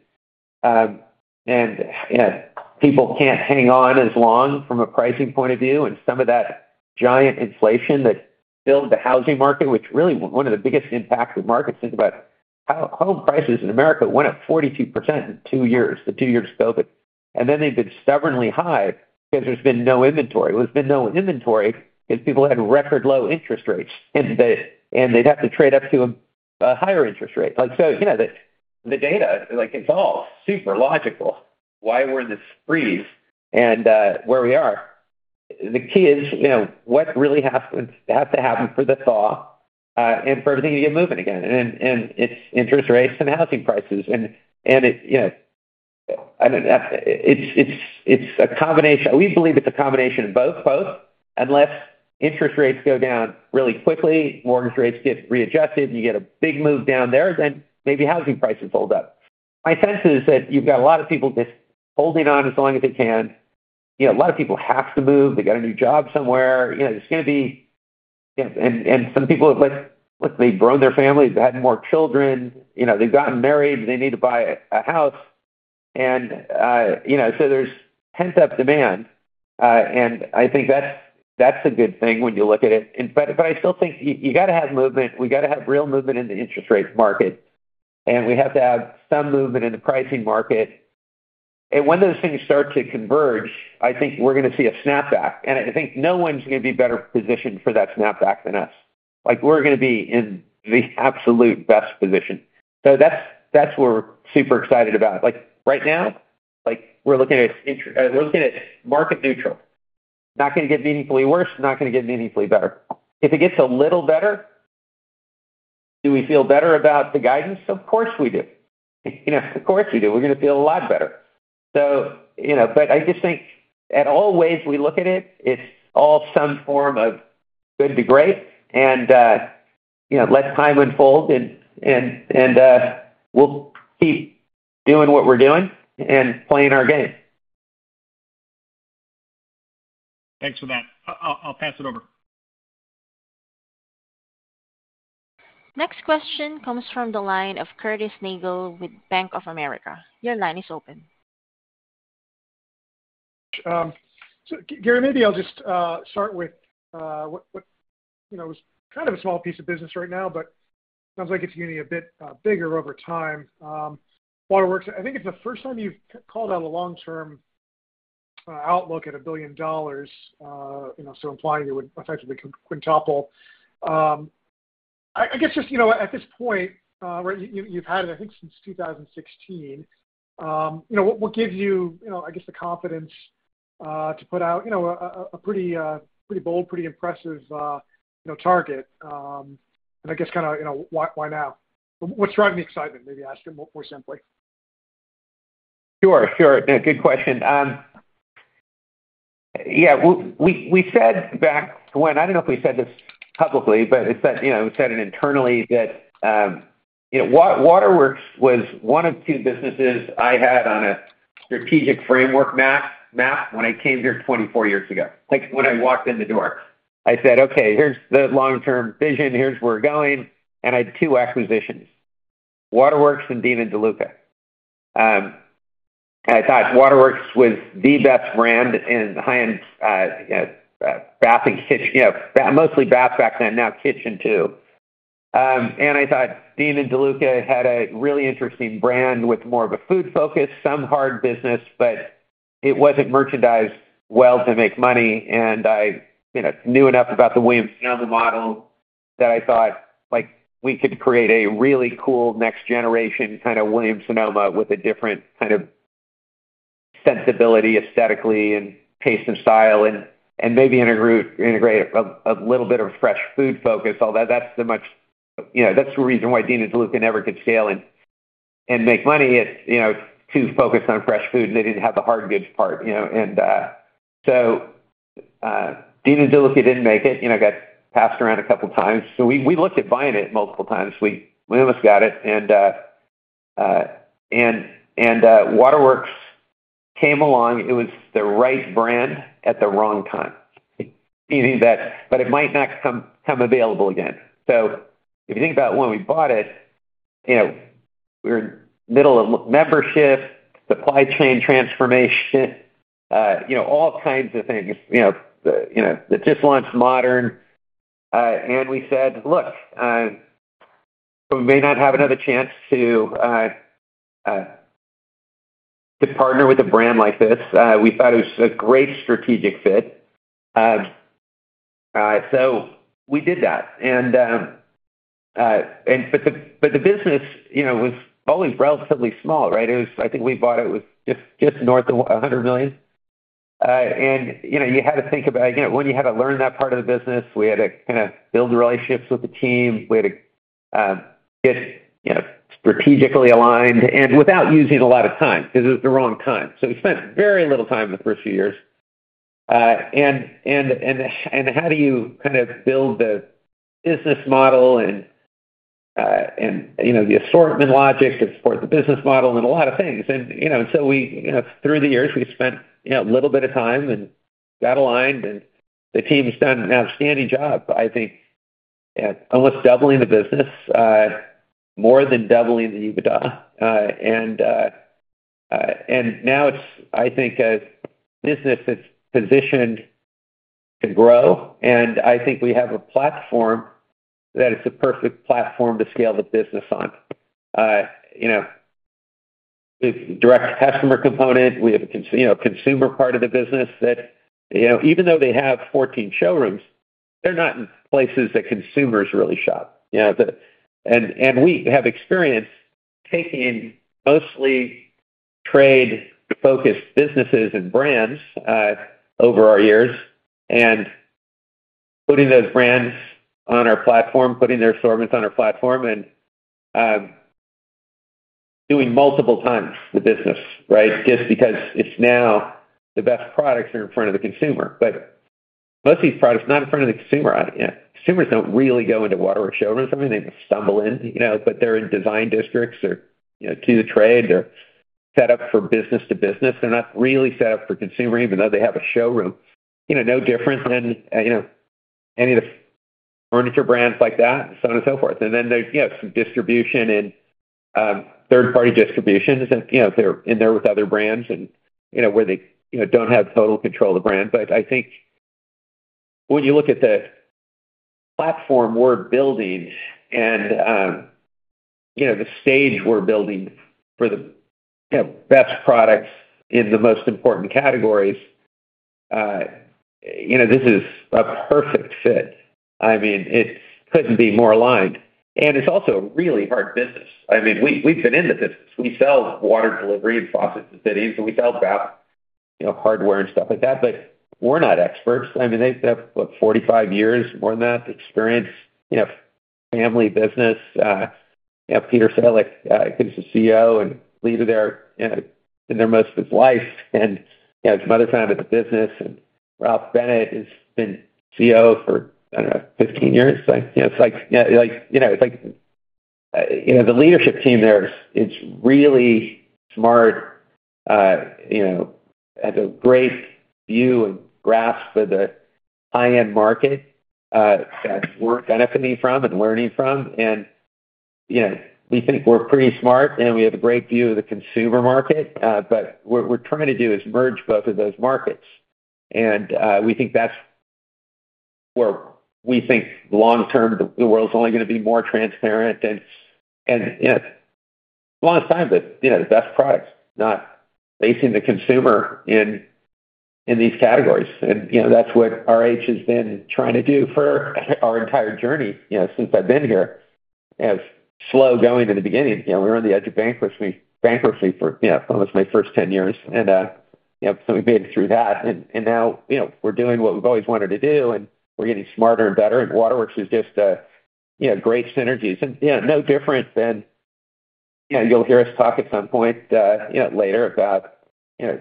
people can't hang on as long from a pricing point of view and some of that giant inflation that filled the housing market, which really one of the biggest impacts of the market. Think about how home prices in America went up 42% in two years, the two years of COVID, and then they've been stubbornly high because there's been no inventory. There's been no inventory because people had record low interest rates, and they, and they'd have to trade up to a, a higher interest rate. Like, so, you know, the, the data, like, it's all super logical why we're in this freeze and where we are. The key is, you know, what really has to, has to happen for the thaw, and for everything to get moving again, and, and it's interest rates and housing prices. And, and it, you know... I mean, it's, it's, it's a combination. We believe it's a combination of both, both. Unless interest rates go down really quickly, mortgage rates get readjusted, and you get a big move down there, then maybe housing prices hold up. My sense is that you've got a lot of people just holding on as long as they can. You know, a lot of people have to move. They got a new job somewhere. You know, there's gonna be. You know, and some people have, like, they've grown their families, they've had more children, you know, they've gotten married, they need to buy a house. And you know, so there's pent-up demand, and I think that's a good thing when you look at it. But I still think you gotta have movement. We gotta have real movement in the interest rate market, and we have to have some movement in the pricing market. When those things start to converge, I think we're gonna see a snapback. I think no one's gonna be better positioned for that snapback than us. Like, we're gonna be in the absolute best position. So that's what we're super excited about. Like, right now, we're looking at market neutral. Not gonna get meaningfully worse, not gonna get meaningfully better. If it gets a little better, do we feel better about the guidance? Of course, we do. You know, of course, we do. We're gonna feel a lot better. So, you know, but I just think at all ways we look at it, it's all some form of good to great, and you know, let time unfold and we'll keep doing what we're doing and playing our game. Thanks for that. I'll pass it over. Next question comes from the line of Curtis Nagle with Bank of America. Your line is open. So Gary, maybe I'll just start with what, you know, is kind of a small piece of business right now, but sounds like it's getting a bit bigger over time. Waterworks, I think it's the first time you've called out a long-term outlook at $1 billion, you know, so implying it would effectively quintuple. I guess just, you know, at this point, where you've had it, I think, since 2016, you know, what gives you, you know, I guess the confidence to put out, you know, a pretty bold, pretty impressive, you know, target? And I guess kind of, you know, why now? What's driving the excitement? Maybe ask you more simply. Sure, sure. Good question. Yeah, we said back when... I don't know if we said this publicly, but it's that, you know, we said it internally, that, you know, Waterworks was one of two businesses I had on a strategic framework map when I came here 24 years ago. Like, when I walked in the door, I said, "Okay, here's the long-term vision. Here's where we're going." And I had two acquisitions, Waterworks and Dean & DeLuca. I thought Waterworks was the best brand in high-end, you know, bath and kitchen, you know, mostly bath back then, now kitchen, too. And I thought Dean & DeLuca had a really interesting brand with more of a food focus, some hard business, but it wasn't merchandised well to make money, and I, you know, knew enough about the Williams-Sonoma model that I thought, like, we could create a really cool next generation kind of Williams-Sonoma with a different kind of sensibility, aesthetically and taste and style, and, and maybe integrate a, a little bit of fresh food focus, although that's... You know, that's the reason why Dean & DeLuca never could scale and, and make money. It's, you know, too focused on fresh food, and they didn't have the hard goods part, you know. And, so, Dean & DeLuca didn't make it, you know, got passed around a couple of times. So we, we looked at buying it multiple times. We almost got it, and Waterworks came along. It was the right brand at the wrong time. Meaning that, but it might not come available again. So if you think about when we bought it, you know, we were in the middle of membership, supply chain transformation, you know, all kinds of things. You know, the just launched Modern, and we said, "Look, we may not have another chance to partner with a brand like this." We thought it was a great strategic fit. So we did that. But the business, you know, was always relatively small, right? It was. I think we bought it with just north of $100 million. You know, you had to think about, you know, when you had to learn that part of the business. We had to kind of build the relationships with the team. We had to get, you know, strategically aligned and without using a lot of time, because it was the wrong time. So we spent very little time in the first few years, and how do you kind of build the business model and, you know, the assortment logic to support the business model and a lot of things? You know, so we, you know, through the years, we've spent, you know, a little bit of time and got aligned, and the team's done an outstanding job. I think almost doubling the business, more than doubling the EBITDA. Now it's, I think, a business that's positioned to grow, and I think we have a platform that is the perfect platform to scale the business on. You know, the direct customer component, we have a consumer part of the business that, you know, even though they have 14 showrooms, they're not in places that consumers really shop, you know. We have experience taking mostly trade-focused businesses and brands over our years and putting those brands on our platform, putting their assortments on our platform, and doing multiple times the business, right? Just because it's now the best products are in front of the consumer. But most of these products are not in front of the consumer. Consumers don't really go into Waterworks showroom or something. They stumble in, you know, but they're in design districts or, you know, to the trade. They're set up for business to business. They're not really set up for consumer, even though they have a showroom. You know, no different than, you know, any of the furniture brands like that, so on and so forth. And then there's, you have some distribution and, third-party distribution, you know, they're in there with other brands and, you know, where they, you know, don't have total control of the brand. But I think when you look at the platform we're building and, you know, the stage we're building for the, you know, best products in the most important categories, you know, this is a perfect fit. I mean, it couldn't be more aligned, and it's also a really hard business. I mean, we've been in the business. We sell water delivery and faucets and fittings, and we sell bath, you know, hardware and stuff like that, but we're not experts. I mean, they've got 45 years, more than that, experience, you know, family business. You know, Peter Sallick, I think is the CEO and leader there, you know, been there most of his life, and he has some other time in the business, and Rob Bennett has been CEO for, I don't know, 15 years. Like, you know, it's like, like, you know, it's like, you know, the leadership team there is really smart, you know, has a great view and grasp of the high-end market, that we're benefiting from and learning from. And, you know, we think we're pretty smart, and we have a great view of the consumer market, but what we're trying to do is merge both of those markets. And, we think that's where we think long term, the world's only going to be more transparent. And, you know, a long time that, you know, the best products not facing the consumer in these categories. And, you know, that's what RH has been trying to do for our entire journey, you know, since I've been here. As slow going in the beginning, you know, we were on the edge of bankruptcy for, you know, almost my first 10 years. And, you know, so we made it through that, and now, you know, we're doing what we've always wanted to do, and we're getting smarter and better. And Waterworks is just a, you know, great synergies and, you know, no different than... You know, you'll hear us talk at some point, later about, you know,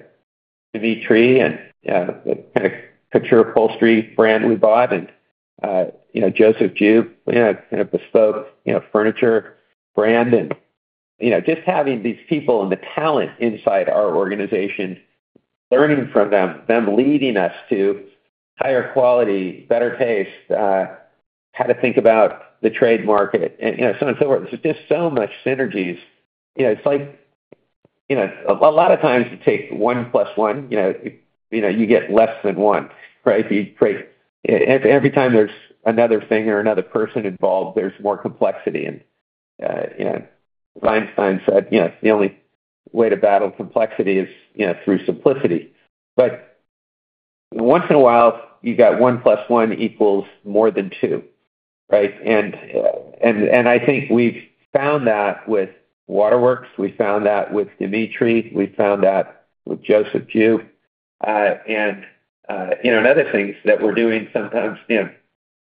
Dmitriy and kind of couture upholstery brand we bought and, you know, Joseph Jeup, you know, kind of bespoke, you know, furniture brand. And, you know, just having these people and the talent inside our organization, learning from them, them leading us to higher quality, better taste, how to think about the trade market, and, you know, so on and so forth. It's just so much synergies. You know, it's like, you know, a lot of times you take one plus one, you know, you know, you get less than one, right? If you create, every time there's another thing or another person involved, there's more complexity. You know, Einstein said, "The only way to battle complexity is, you know, through simplicity." But once in a while, you got one plus one equals more than two, right? And I think we've found that with Waterworks. We found that with Dmitriy, we found that with Joseph Jeup. And you know, and other things that we're doing sometimes, you know,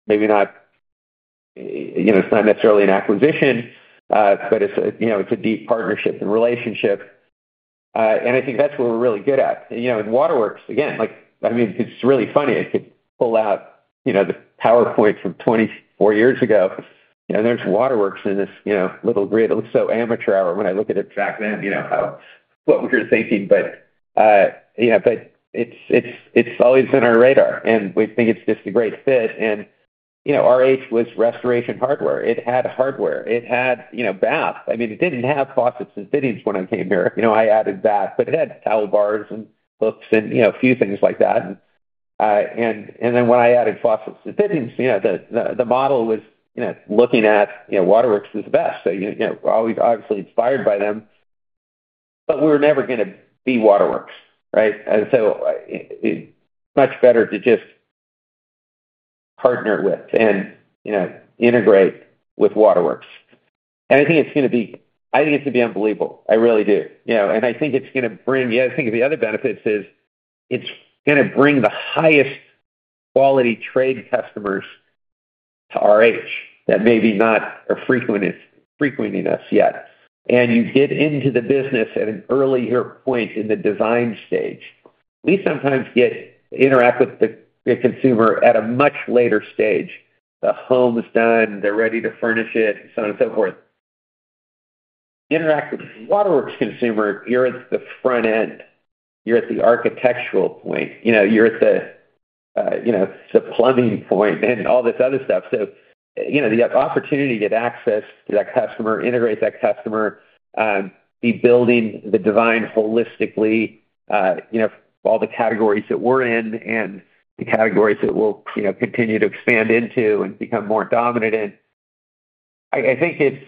maybe not, you know, it's not necessarily an acquisition, but it's a, you know, it's a deep partnership and relationship. And I think that's what we're really good at. You know, with Waterworks, again, like, I mean, it's really funny. I could pull out, you know, the PowerPoint from 24 years ago, and there's Waterworks in this, you know, little grid. It looks so amateur hour when I look at it back then, you know, how, what we were thinking. But, yeah, but it's always been on our radar, and we think it's just a great fit. And, you know, RH was Restoration Hardware. It had hardware. It had, you know, bath. I mean, it didn't have faucets and fittings when I came here. You know, I added that, but it had towel bars and hooks and, you know, a few things like that. And then when I added faucets and fittings, you know, the model was, you know, looking at, you know, Waterworks as the best. So, you know, obviously inspired by them, but we were never gonna be Waterworks, right? And so it's much better to just partner with and, you know, integrate with Waterworks. And I think it's gonna be. I think it's gonna be unbelievable. I really do. You know, and I think it's gonna bring... Yeah, I think the other benefits is it's gonna bring the highest quality trade customers to RH that maybe not are frequent, frequenting us yet. And you get into the business at an earlier point in the design stage. We sometimes get interact with the, the consumer at a much later stage. The home is done, they're ready to furnish it, so on and so forth. Interact with Waterworks consumer, you're at the front end, you're at the architectural point, you know, you're at the, you know, the plumbing point and all this other stuff. So, you know, you have opportunity to get access to that customer, integrate that customer, be building the design holistically, you know, all the categories that we're in and the categories that we'll, you know, continue to expand into and become more dominant in. I think it's,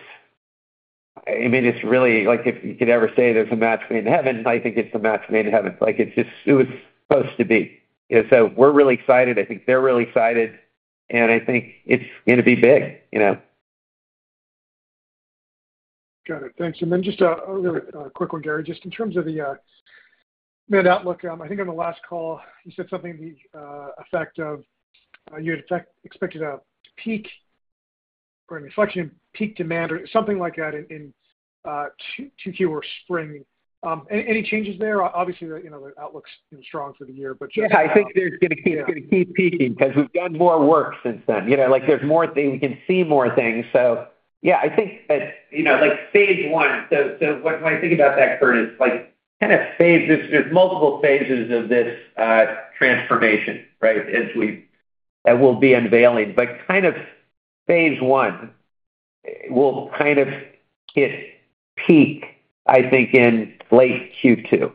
I mean, it's really like if you could ever say there's a match made in heaven, I think it's a match made in heaven. Like, it's just, it was supposed to be. So we're really excited. I think they're really excited, and I think it's gonna be big, you know?... Got it. Thanks. And then just a really quick one, Gary, just in terms of the mid outlook. I think on the last call, you said something to the effect of you'd expected a peak or an inflection, peak demand or something like that in Q2 or spring. Any changes there? Obviously, you know, the outlook's, you know, strong for the year, but just- Yeah, I think it's gonna keep, gonna keep peaking because we've done more work since then. You know, like, there's more things. We can see more things. So yeah, I think, you know, like, phase I. So when I think about that, Curtis, like, kind of phase, there's multiple phases of this transformation, right? As we'll be unveiling, but kind of phase I will kind of hit peak, I think, in late Q2.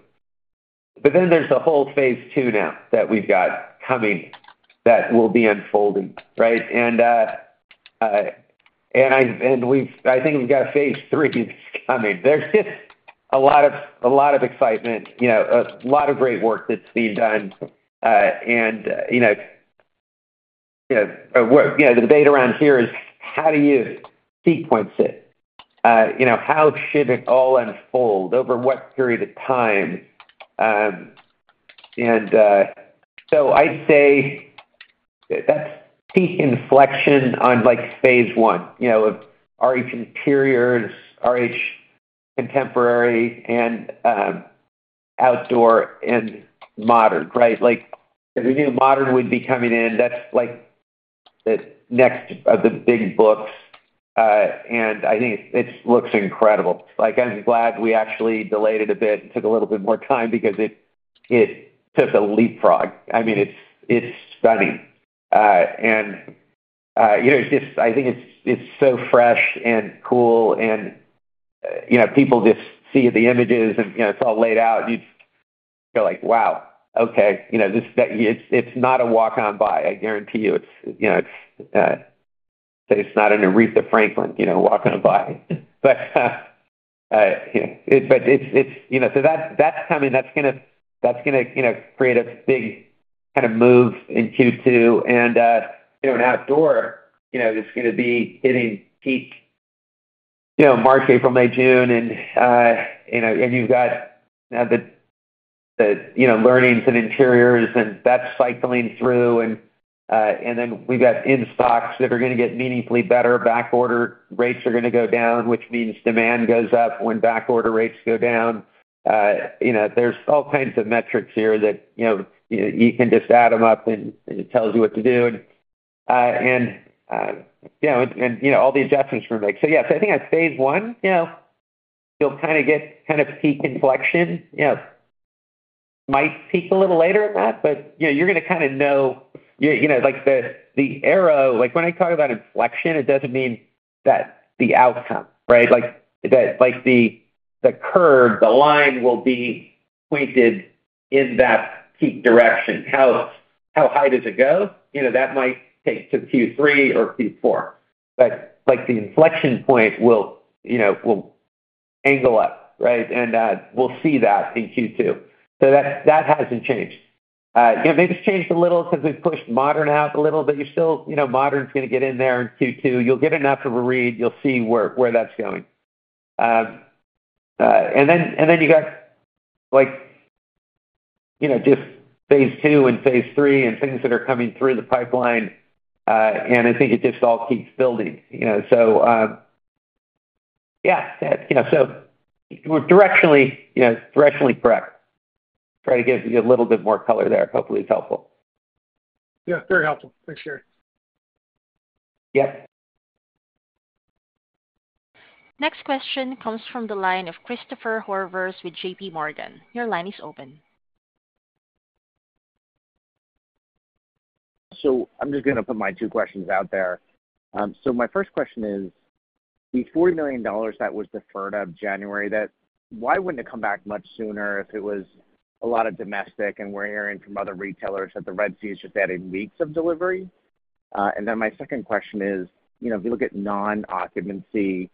But then there's the whole phase II now that we've got coming that will be unfolding, right? And I think we've got phase III. I mean, there's just a lot of, a lot of excitement, you know, a lot of great work that's being done. And, you know, the debate around here is: How do you sequence it? You know, how should it all unfold? Over what period of time? And, so I'd say that's peak inflection on, like, phase I, you know, RH Interiors, RH Contemporary and, Outdoor and Modern, right? Like, we knew Modern would be coming in. That's, like, the next of the big books, and I think it, it looks incredible. Like, I'm glad we actually delayed it a bit and took a little bit more time because it, it took a leapfrog. I mean, it's, it's stunning. And, you know, it's just... I think it's, it's so fresh and cool and, you know, people just see the images and, you know, it's all laid out, you feel like, "Wow, okay." You know, this, that it's, it's not a walk-on by, I guarantee you. It's, you know, it's, it's not an Aretha Franklin, you know, walking by. But, you know, it's—but it's, it's, you know, so that's coming, that's gonna, that's gonna, you know, create a big kind of move in Q2. And, you know, in Outdoor, you know, it's gonna be hitting peak, you know, March, April, May, June, and, you know, and you've got the, the, you know, learnings and Interiors, and that's cycling through. And, and then we've got in-stocks that are gonna get meaningfully better. Backorder rates are gonna go down, which means demand goes up when backorder rates go down. You know, there's all kinds of metrics here that, you know, you, you can just add them up, and, and it tells you what to do. And, you know, and, you know, all the adjustments we make. So yes, I think at phase I you know, you'll kind of get kind of peak inflection. You know, might peak a little later than that, but, you know, you're gonna kinda know... You know, like the arrow, like, when I talk about inflection, it doesn't mean that the outcome, right? Like the curve, the line will be pointed in that peak direction. How high does it go? You know, that might take to Q3 or Q4, but, like, the inflection point will, you know, angle up, right? And we'll see that in Q2. So that hasn't changed. Maybe it's changed a little because we've pushed Modern out a little, but you still, you know, Modern's gonna get in there in Q2. You'll get enough of a read, you'll see where that's going. And then you got like, you know, just phase II and phase III and things that are coming through the pipeline, and I think it just all keeps building, you know? So, yeah, you know, so we're directionally, you know, directionally correct. Try to give you a little bit more color there. Hopefully it's helpful. Yeah, very helpful. Thanks, Gary. Yep. Next question comes from the line of Christopher Horvers with JPMorgan. Your line is open. So I'm just gonna put my two questions out there. So my first question is: The $40 million that was deferred of January, that, why wouldn't it come back much sooner if it was a lot of domestic? And we're hearing from other retailers that the Red Sea is just adding weeks of delivery. And then my second question is, you know, if you look at non-occupancy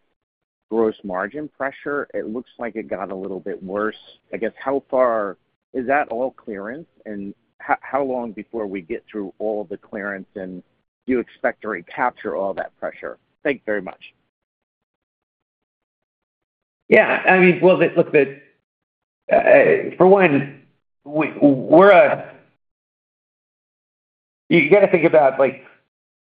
gross margin pressure, it looks like it got a little bit worse. I guess, how far... Is that all clearance? And how long before we get through all the clearance, and do you expect to recapture all that pressure? Thank you very much. Yeah, I mean, well, look, the, for one, we're a... You gotta think about, like,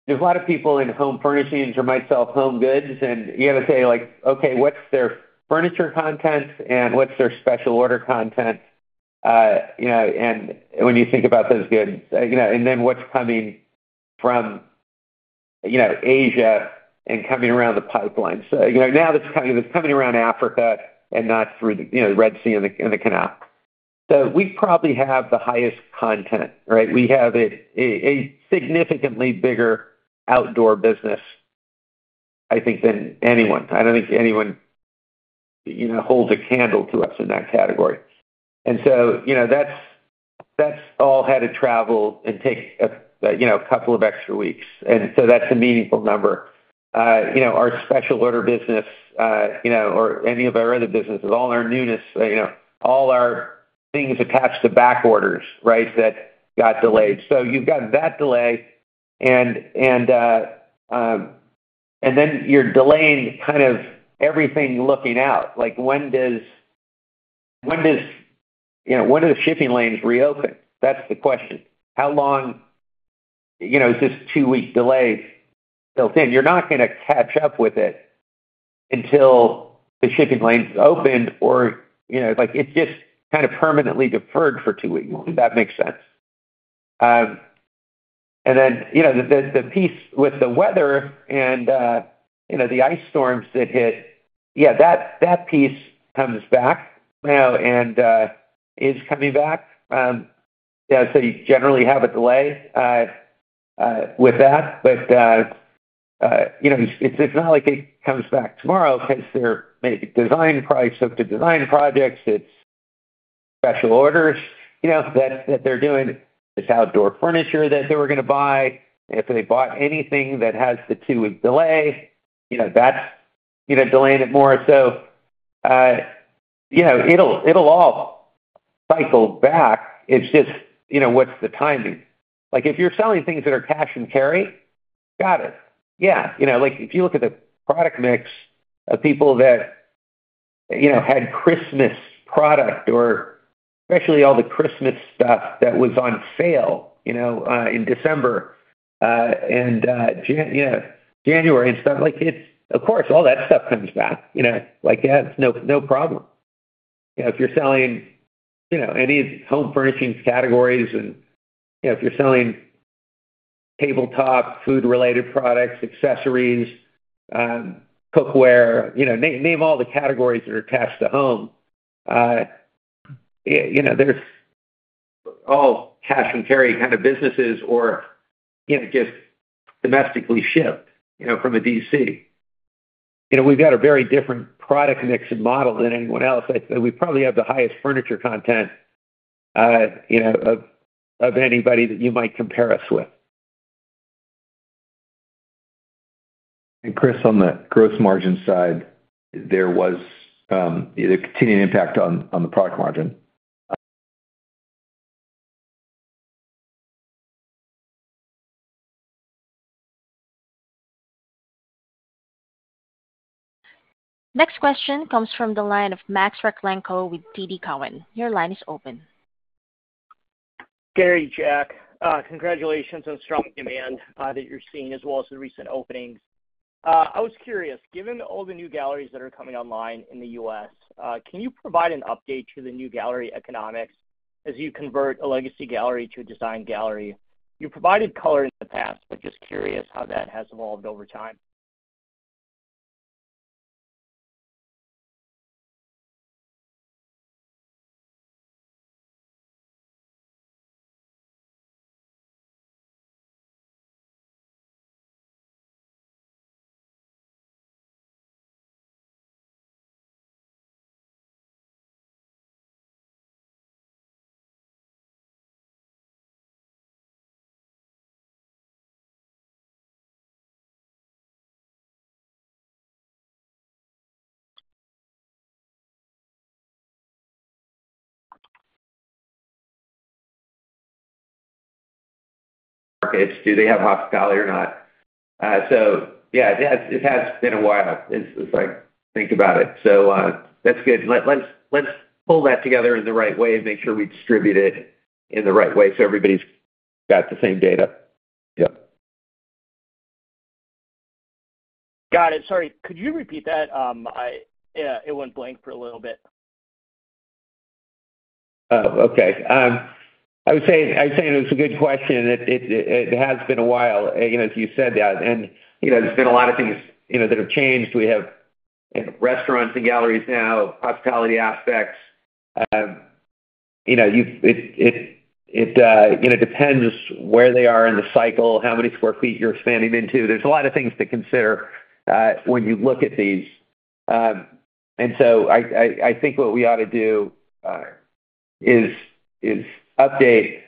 there's a lot of people in home furnishings or myself, home goods, and you gotta say, like: "Okay, what's their furniture content, and what's their special order content?" You know, and when you think about those goods, you know, and then what's coming from, you know, Asia and coming around the pipeline. So, you know, now that it's coming, it's coming around Africa and not through the, you know, Red Sea and the canal. So we probably have the highest content, right? We have a significantly bigger Outdoor business, I think, than anyone. I don't think anyone, you know, holds a candle to us in that category. And so, you know, that's all had to travel and take a, you know, a couple of extra weeks, and so that's a meaningful number. You know, our special order business, you know, or any of our other businesses, all our newness, you know, all our things attach to back orders, right? That got delayed. So you've got that delay. And then you're delaying kind of everything looking out. Like, when does, you know, when do the shipping lanes reopen? That's the question. How long, you know, is this two-week delay built in? You're not gonna catch up with it until the shipping lanes opened or, you know, like, it's just kind of permanently deferred for two weeks, if that makes sense. And then, you know, the piece with the weather and, you know, the ice storms that hit, yeah, that piece comes back now and is coming back. Yeah, so you generally have a delay with that. But, you know, it's not like it comes back tomorrow, because they're maybe design projects. So if the design projects, it's special orders, you know, that they're doing, this Outdoor furniture that they were gonna buy. If they bought anything that has the two week delay, you know, that's, you know, delaying it more. So, you know, it'll all cycle back. It's just, you know, what's the timing? Like, if you're selling things that are cash and carry, got it. Yeah. You know, like, if you look at the product mix of people that, you know, had Christmas product or especially all the Christmas stuff that was on sale, you know, in December, and, January and stuff like it, of course, all that stuff comes back, you know? Like, yeah, no, no problem. You know, if you're selling, you know, any home furnishings categories and, you know, if you're selling tabletop, food-related products, accessories, cookware, you know, name all the categories that are attached to home, you know, there's all cash and carry kind of businesses or, you know, just domestically shipped, you know, from a DC. You know, we've got a very different product mix and model than anyone else. I'd say we probably have the highest furniture content, you know, of anybody that you might compare us with. Chris, on the gross margin side, there was a continuing impact on the product margin. Next question comes from the line of Max Rakhlenko with TD Cowen. Your line is open. Gary, Jack, congratulations on strong demand that you're seeing, as well as the recent openings. I was curious, given all the new galleries that are coming online in the U.S., can you provide an update to the new gallery economics as you convert a legacy gallery to a design gallery? You provided color in the past, but just curious how that has evolved over time. Do they have hospitality or not? So yeah, it has been a while since I think about it. So, that's good. Let's pull that together in the right way and make sure we distribute it in the right way so everybody's got the same data. Yep. Got it. Sorry. Could you repeat that? Yeah, it went blank for a little bit. Oh, okay. I would say, I'd say it is a good question. It has been a while, you know, as you said that, and, you know, there's been a lot of things, you know, that have changed. We have restaurants and galleries now, hospitality aspects. You know, it depends where they are in the cycle, how many sq ft you're expanding into. There's a lot of things to consider, when you look at these. And so I think what we ought to do, is update,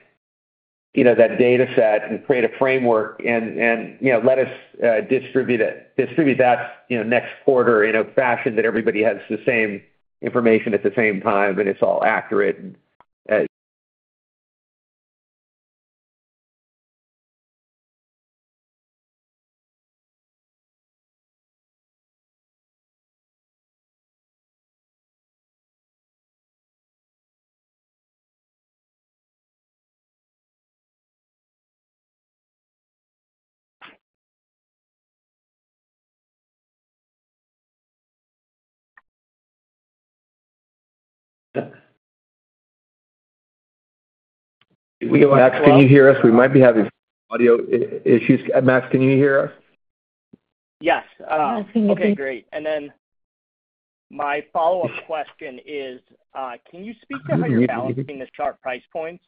you know, that data set and create a framework and, you know, let us distribute that, you know, next quarter in a fashion that everybody has the same information at the same time, and it's all accurate. Max, can you hear us? We might be having audio issues. Max, can you hear us? Yes. Yes, we can hear you. Okay, great. And then my follow-up question is, can you speak to how you're balancing the sharp price points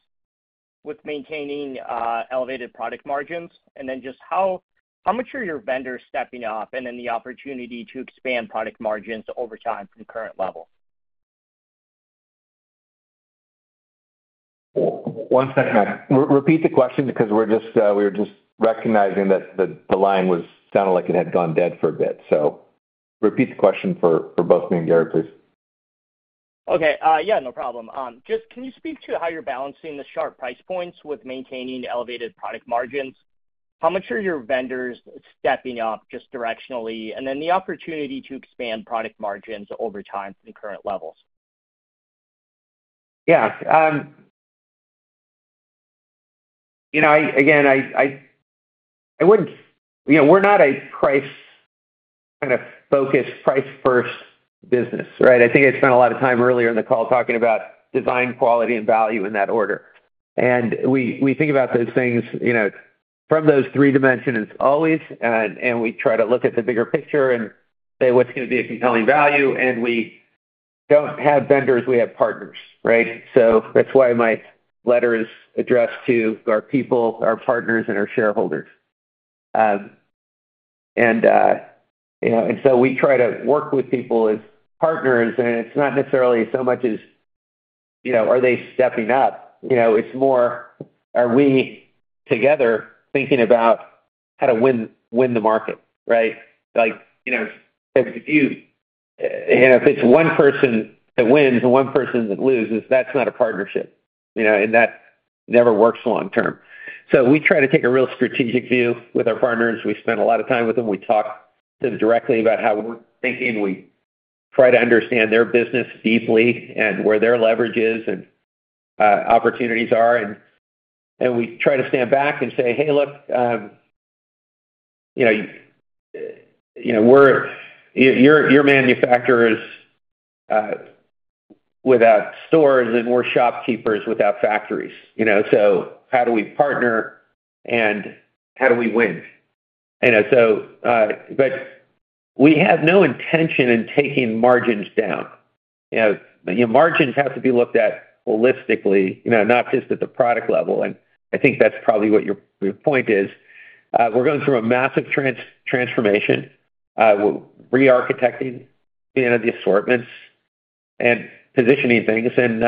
with maintaining elevated product margins? And then just how much are your vendors stepping up, and then the opportunity to expand product margins over time from the current level? One second. Repeat the question, because we're just, we were just recognizing that the, the line was—sounded like it had gone dead for a bit. So repeat the question for, for both me and Gary, please.... Okay. Yeah, no problem. Just can you speak to how you're balancing the sharp price points with maintaining elevated product margins? How much are your vendors stepping up, just directionally, and then the opportunity to expand product margins over time from the current levels? Yeah. You know, again, I wouldn't— You know, we're not a price, kind of, focused, price-first business, right? I think I spent a lot of time earlier in the call talking about design, quality, and value in that order. And we think about those things, you know, from those three dimensions always, and we try to look at the bigger picture and say, what's going to be a compelling value? And we don't have vendors, we have partners, right? So that's why my letter is addressed to our people, our partners and our shareholders. And, you know, and so we try to work with people as partners, and it's not necessarily so much as, you know, are they stepping up? You know, it's more, are we together thinking about how to win the market, right? Like, you know, if you, you know, if it's one person that wins and one person that loses, that's not a partnership, you know, and that never works long term. So we try to take a real strategic view with our partners. We spend a lot of time with them. We talk to them directly about how we're thinking. We try to understand their business deeply and where their leverage is and opportunities are, and we try to stand back and say, "Hey, look, you know, you know, we're you're, you're manufacturers without stores, and we're shopkeepers without factories, you know? So how do we partner, and how do we win?" You know, so, but we have no intention in taking margins down. You know, margins have to be looked at holistically, you know, not just at the product level, and I think that's probably what your point is. We're going through a massive transformation, re-architecting, you know, the assortments and positioning things. And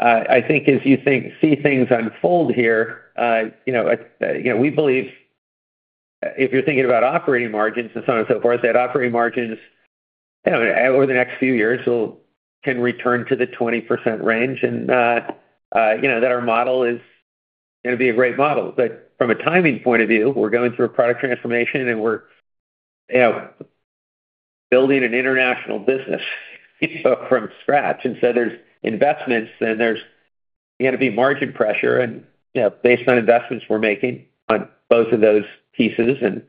I think as you see things unfold here, you know, we believe if you're thinking about operating margins and so on and so forth, that operating margins, you know, over the next few years, can return to the 20% range, and you know, that our model is going to be a great model. But from a timing point of view, we're going through a product transformation, and we're, you know, building an international business from scratch. So there's investments, and there's going to be margin pressure and, you know, based on investments we're making on both of those pieces. And,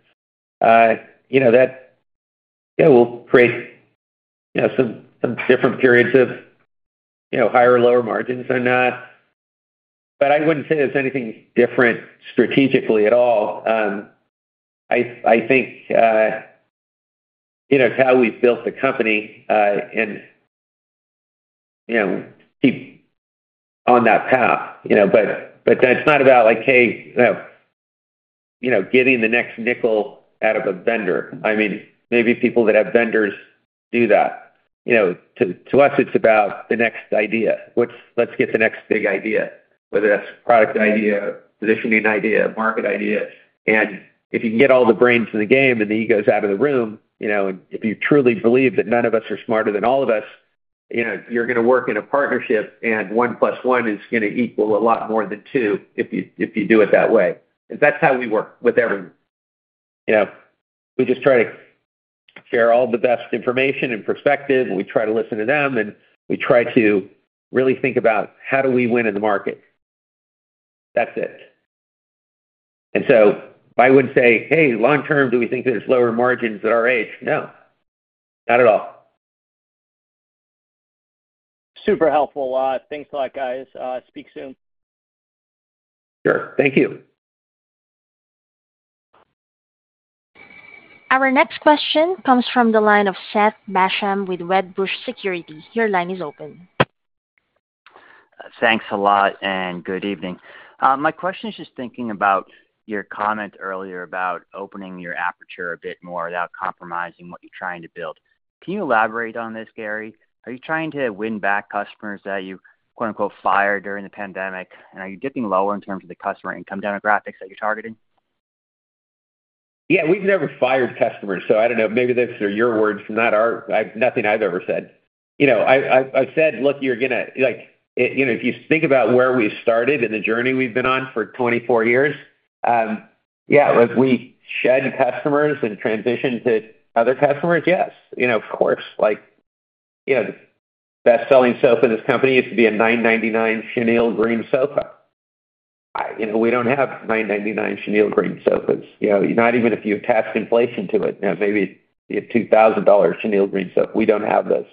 you know, that, it will create, you know, some different periods of, you know, higher or lower margins and... But I wouldn't say there's anything different strategically at all. I think, you know, it's how we've built the company, and, you know, keep on that path, you know. But it's not about like, hey, you know, getting the next nickel out of a vendor. I mean, maybe people that have vendors do that. You know, to us, it's about the next idea. Let's get the next big idea, whether that's product idea, positioning idea, market idea. If you can get all the brains in the game and the egos out of the room, you know, if you truly believe that none of us are smarter than all of us, you know, you're gonna work in a partnership, and one plus one is gonna equal a lot more than two if you, if you do it that way. That's how we work with everyone. You know, we just try to share all the best information and perspective, and we try to listen to them, and we try to really think about: How do we win in the market? That's it. And so I wouldn't say, "Hey, long term, do we think there's lower margins at RH?" No, not at all. Super helpful. Thanks a lot, guys. Speak soon. Sure. Thank you. Our next question comes from the line of Seth Basham with Wedbush Securities. Your line is open. Thanks a lot, and good evening. My question is just thinking about your comment earlier about opening your aperture a bit more without compromising what you're trying to build. Can you elaborate on this, Gary? Are you trying to win back customers that you, quote, unquote, "fired" during the pandemic? And are you dipping lower in terms of the customer income demographics that you're targeting? Yeah, we've never fired customers, so I don't know, maybe those are your words, not our... Nothing I've ever said. You know, I've said, look, you're gonna-- Like, you know, if you think about where we started and the journey we've been on for 24 years, yeah, like, we shed customers and transitioned to other customers. Yes, you know, of course, like, you know, best-selling sofa in this company used to be a $999 chenille green sofa. You know, we don't have $999 chenille green sofas, you know, not even if you attach inflation to it. You know, maybe you have $2,000 chenille green sofa. We don't have those.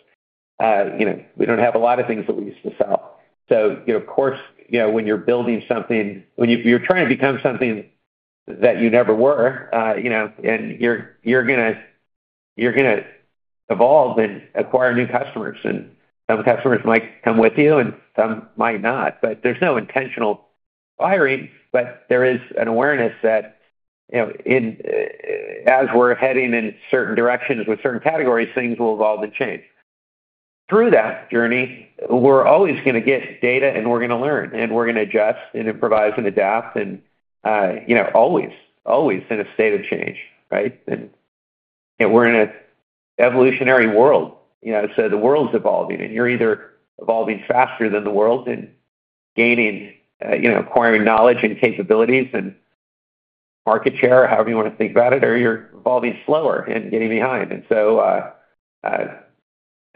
You know, we don't have a lot of things that we used to sell. So, you know, of course, you know, when you're building something... When you're trying to become something that you never were, you know, and you're, you're gonna, you're gonna evolve and acquire new customers, and some customers might come with you, and some might not. But there's no intentional firing, but there is an awareness that, you know, in, as we're heading in certain directions with certain categories, things will evolve and change. Through that journey, we're always gonna get data, and we're gonna learn, and we're gonna adjust and improvise and adapt and, you know, always, always in a state of change, right? And we're in an evolutionary world, you know. So the world's evolving, and you're either evolving faster than the world and gaining, you know, acquiring knowledge and capabilities and market share, however you want to think about it, or you're evolving slower and getting behind.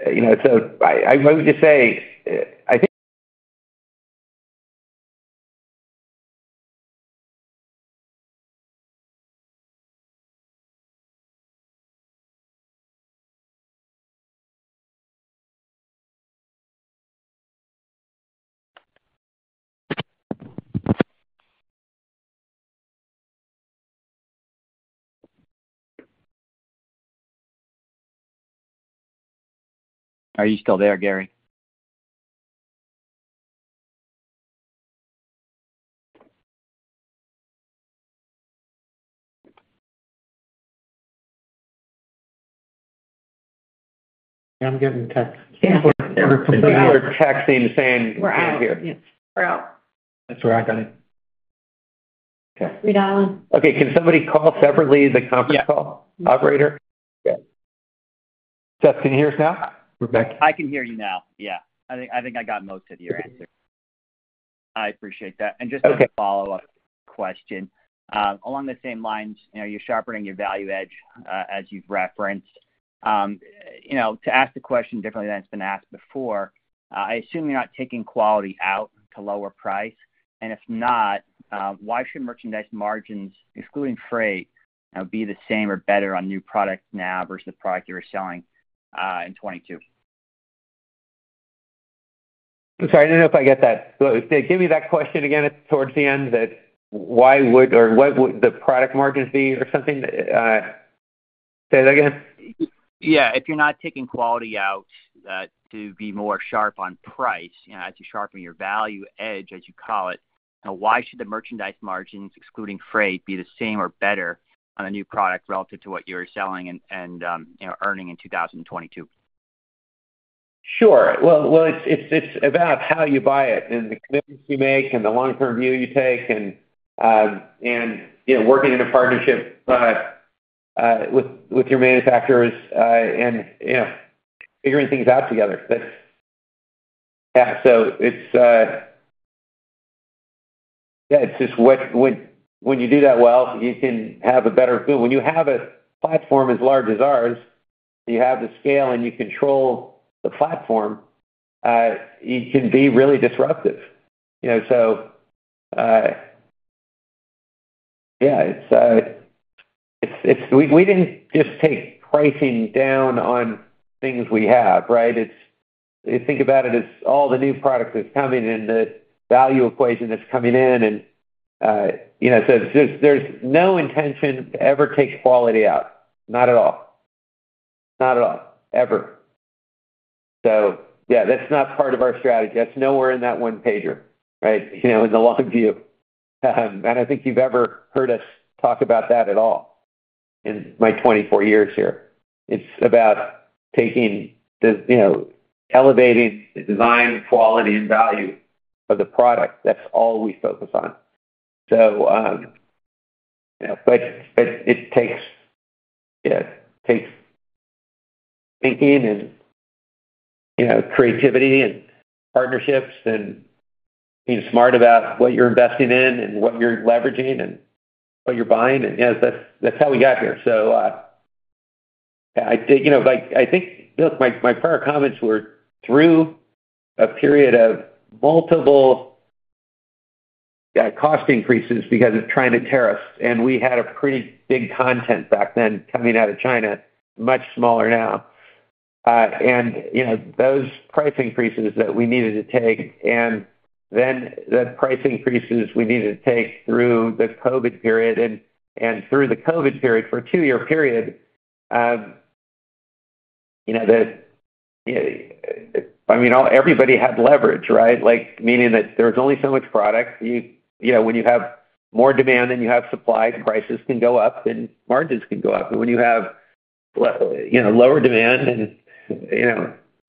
You know, so I would just say, I think- Are you still there, Gary? I'm getting texts. People are texting, saying, "We can't hear. We're out. Yes, we're out. That's right, honey. Redialing. Okay, can somebody call separately the conference call operator? Yeah. Seth, can you hear us now? Rebecca? I can hear you now. Yeah. I think, I think I got most of your answer. I appreciate that. Okay. And just a follow-up question. Along the same lines, you know, you're sharpening your value edge, as you've referenced. You know, to ask the question differently than it's been asked before, I assume you're not taking quality out to lower price. And if not, why should merchandise margins, excluding freight, be the same or better on new products now versus the product you were selling in 2022? Sorry, I don't know if I get that. Give me that question again, towards the end, that why would or what would the product margins be or something? Say that again. Yeah. If you're not taking quality out, to be more sharp on price, you know, as you sharpen your value edge, as you call it, why should the merchandise margins, excluding freight, be the same or better on a new product relative to what you were selling and you know, earning in 2022? Sure. Well, it's about how you buy it and the commitments you make and the long-term view you take and, you know, working in a partnership with your manufacturers, and, you know, figuring things out together. But yeah, so it's... Yeah, it's just when you do that well, you can have a better feel. When you have a platform as large as ours, you have the scale and you control the platform, you can be really disruptive. You know, so, yeah, it's-- we didn't just take pricing down on things we have, right? It's... If you think about it, it's all the new products that's coming in, the value equation that's coming in, and, you know, so there's no intention to ever take quality out. Not at all. Not at all, ever. So yeah, that's not part of our strategy. That's nowhere in that one-pager, right? You know, in the long view. And I think you've ever heard us talk about that at all in my 24 years here. It's about taking the, you know, elevating the design, quality, and value of the product. That's all we focus on. It takes, yeah, it takes thinking and, you know, creativity and partnerships and being smart about what you're investing in and what you're leveraging and what you're buying. And, yes, that's, that's how we got here. I think, you know, like, I think, look, my, my prior comments were through a period of multiple cost increases because of China tariffs, and we had a pretty big content back then coming out of China, much smaller now. You know, those price increases that we needed to take and then the price increases we needed to take through the COVID period and through the COVID period for a two-year period. You know, I mean, everybody had leverage, right? Like, meaning that there's only so much product. You know, when you have more demand than you have supply, prices can go up, and margins can go up. And when you have lower demand and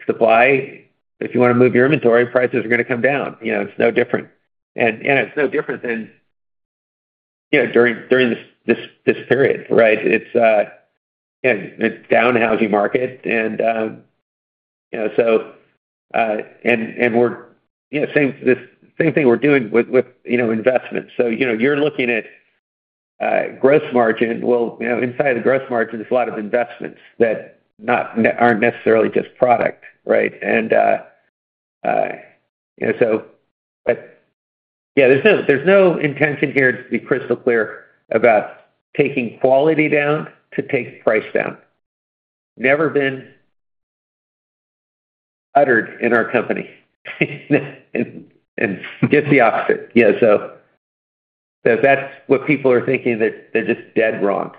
supply, if you want to move your inventory, prices are going to come down. You know, it's no different. And it's no different than during this period, right? It's down housing market, and we're doing the same thing we're doing with investments. So, you know, you're looking at gross margin. Well, you know, inside the gross margin, there's a lot of investments that aren't necessarily just product, right? And, you know, so, but yeah, there's no, there's no intention here, to be crystal clear, about taking quality down to take price down. Never been uttered in our company. And just the opposite. Yeah, so, so if that's what people are thinking, they're, they're just dead wrong.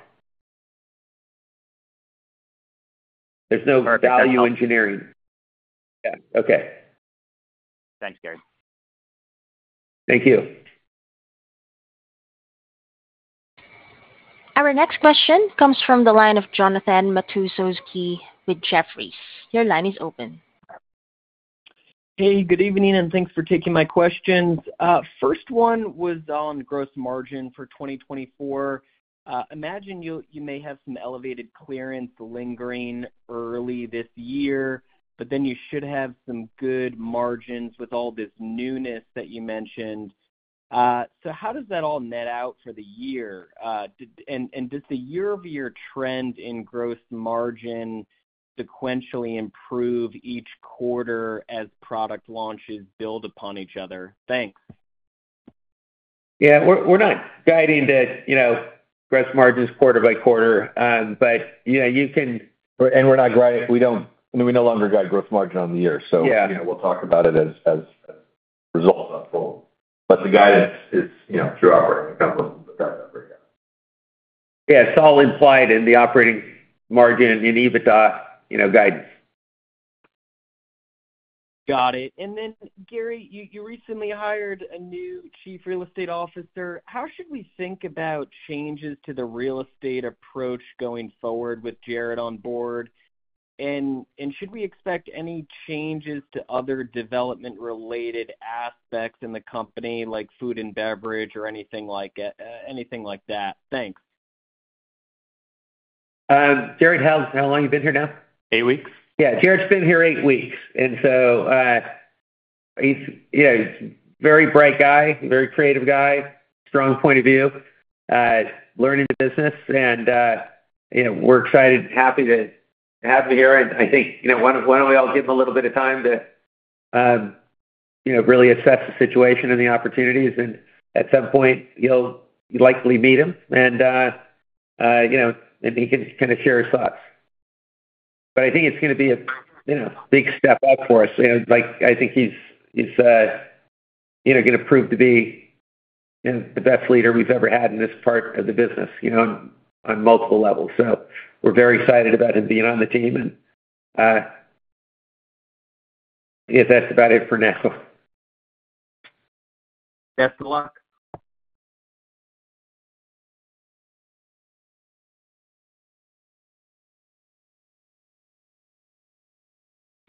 There's no value engineering. Yeah. Okay. Thanks, Gary. Thank you. Our next question comes from the line of Jonathan Matuszewski with Jefferies. Your line is open. Hey, good evening, and thanks for taking my questions. First one was on gross margin for 2024. Imagine you may have some elevated clearance lingering early this year, but then you should have some good margins with all this newness that you mentioned. So how does that all net out for the year? And does the year-over-year trend in gross margin sequentially improve each quarter as product launches build upon each other? Thanks. Yeah, we're not guiding to, you know, gross margins quarter by quarter. But, you know, you can- And we're not, we don't, we no longer guide gross margin on the year. Yeah. So, you know, we'll talk about it as results in full. But the guidance is, you know, through operating income. Yeah, it's all implied in the operating margin and EBITDA, you know, guidance. Got it. And then, Gary, you recently hired a new Chief Real Estate Officer. How should we think about changes to the real estate approach going forward with Jared on board? And should we expect any changes to other development-related aspects in the company, like food and beverage or anything like that? Thanks. Jared, how long you been here now? Eight weeks. Yeah. Jared's been here eight weeks, and so, he's, you know, he's very bright guy, very creative guy, strong point of view, learning the business, and, you know, we're excited and happy to have him here. I think, you know, why don't we all give him a little bit of time to, you know, really assess the situation and the opportunities, and at some point, you'll likely meet him, and, you know, and he can kind of share his thoughts. But I think it's gonna be a, you know, big step up for us. Like, I think he's, you know, gonna prove to be the best leader we've ever had in this part of the business, you know, on multiple levels. So we're very excited about him being on the team. Yeah, that's about it for now. Best of luck.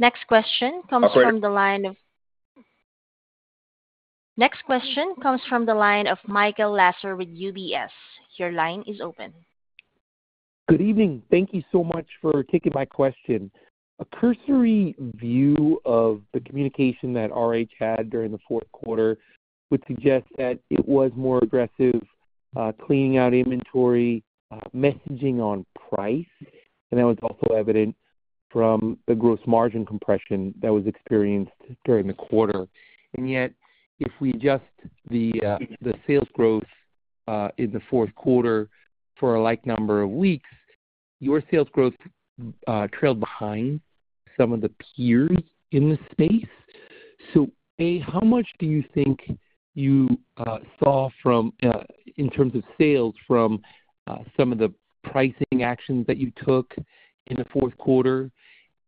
Next question comes from the line of- Okay. Next question comes from the line of Michael Lasser with UBS. Your line is open. Good evening. Thank you so much for taking my question. A cursory view of the communication that RH had during the fourth quarter would suggest that it was more aggressive cleaning out inventory, messaging on price, and that was also evident from the gross margin compression that was experienced during the quarter. Yet, if we adjust the sales growth in the fourth quarter for a like number of weeks, your sales growth trailed behind some of the peers in this space. So, A, how much do you think you saw from in terms of sales from some of the pricing actions that you took in the fourth quarter?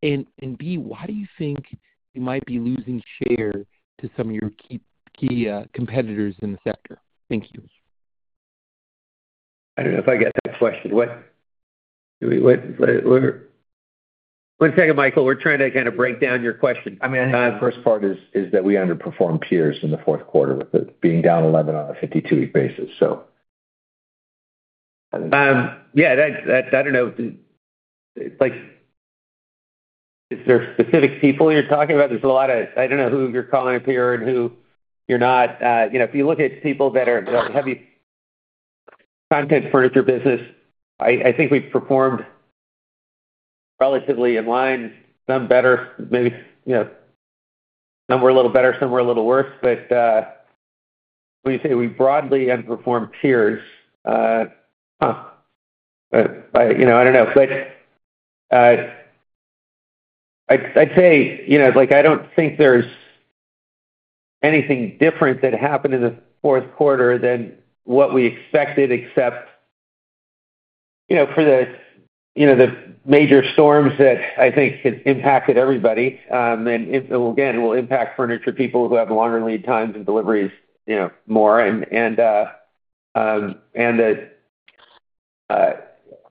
And B, why do you think you might be losing share to some of your key competitors in the sector? Thank you. I don't know if I got that question. What do we... One second, Michael, we're trying to kind of break down your question. I mean, I think the first part is that we underperformed peers in the fourth quarter, with it being down 11 on a 52-week basis, so. Yeah, that’s, I don't know, like, is there specific people you're talking about? There's a lot of... I don't know who you're calling a peer and who you're not. You know, if you look at people that are heavy content furniture business, I think we've performed relatively in line, some better, maybe, you know, some were a little better, some were a little worse. But, when you say we broadly underperformed peers, huh? But, you know, I don't know. But I'd say, you know, like, I don't think there's anything different that happened in the fourth quarter than what we expected, except, you know, for the major storms that I think has impacted everybody, and it again will impact furniture people who have longer lead times and deliveries, you know, more and that,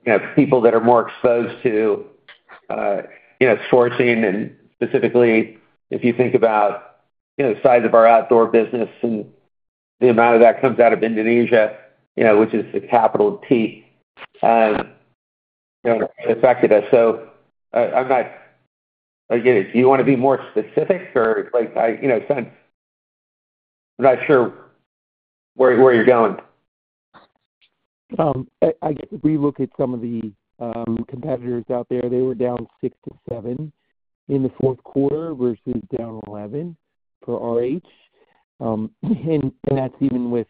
you know, people that are more exposed to, you know, sourcing and specifically, if you think about, you know, the size of our Outdoor business and the amount of that comes out of Indonesia, you know, which is the capital of teak, you know, it affected us. So I'm not... Again, do you wanna be more specific or like, I, you know, so I'm not sure where you're going. If we look at some of the competitors out there, they were down 6%-7% in the fourth quarter versus down 11% for RH. And that's even with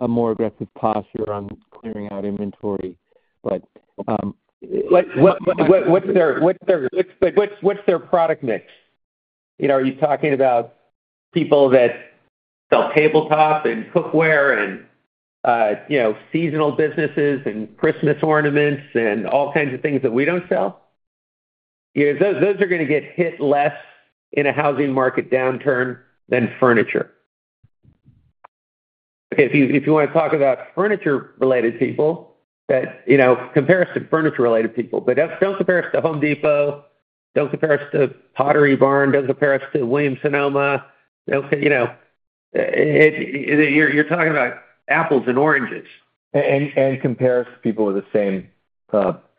a more aggressive posture on clearing out inventory. But Like, what's their product mix? You know, are you talking about people that sell tabletop and cookware and, you know, seasonal businesses and Christmas ornaments and all kinds of things that we don't sell? Yeah, those are gonna get hit less in a housing market downturn than furniture. Okay, if you want to talk about furniture-related people that, you know, compare us to furniture-related people, but don't compare us to Home Depot, don't compare us to Pottery Barn, don't compare us to Williams Sonoma. Don't say, you know, you're talking about apples and oranges. And compare us to people with the same,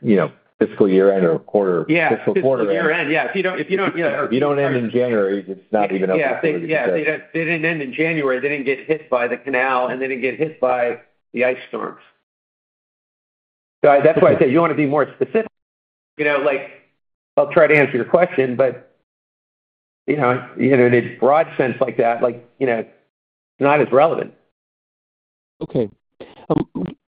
you know, fiscal year-end or quarter- Yeah. Fiscal quarter. Year-end, yeah. If you don't, yeah- If you don't end in January, it's not even up for you to say. Yeah, they didn't end in January. They didn't get hit by the canal, and they didn't get hit by the ice storms. So that's why I say, you want to be more specific. You know, like, I'll try to answer your question, but, you know, in a broad sense like that, like, you know, it's not as relevant. Okay.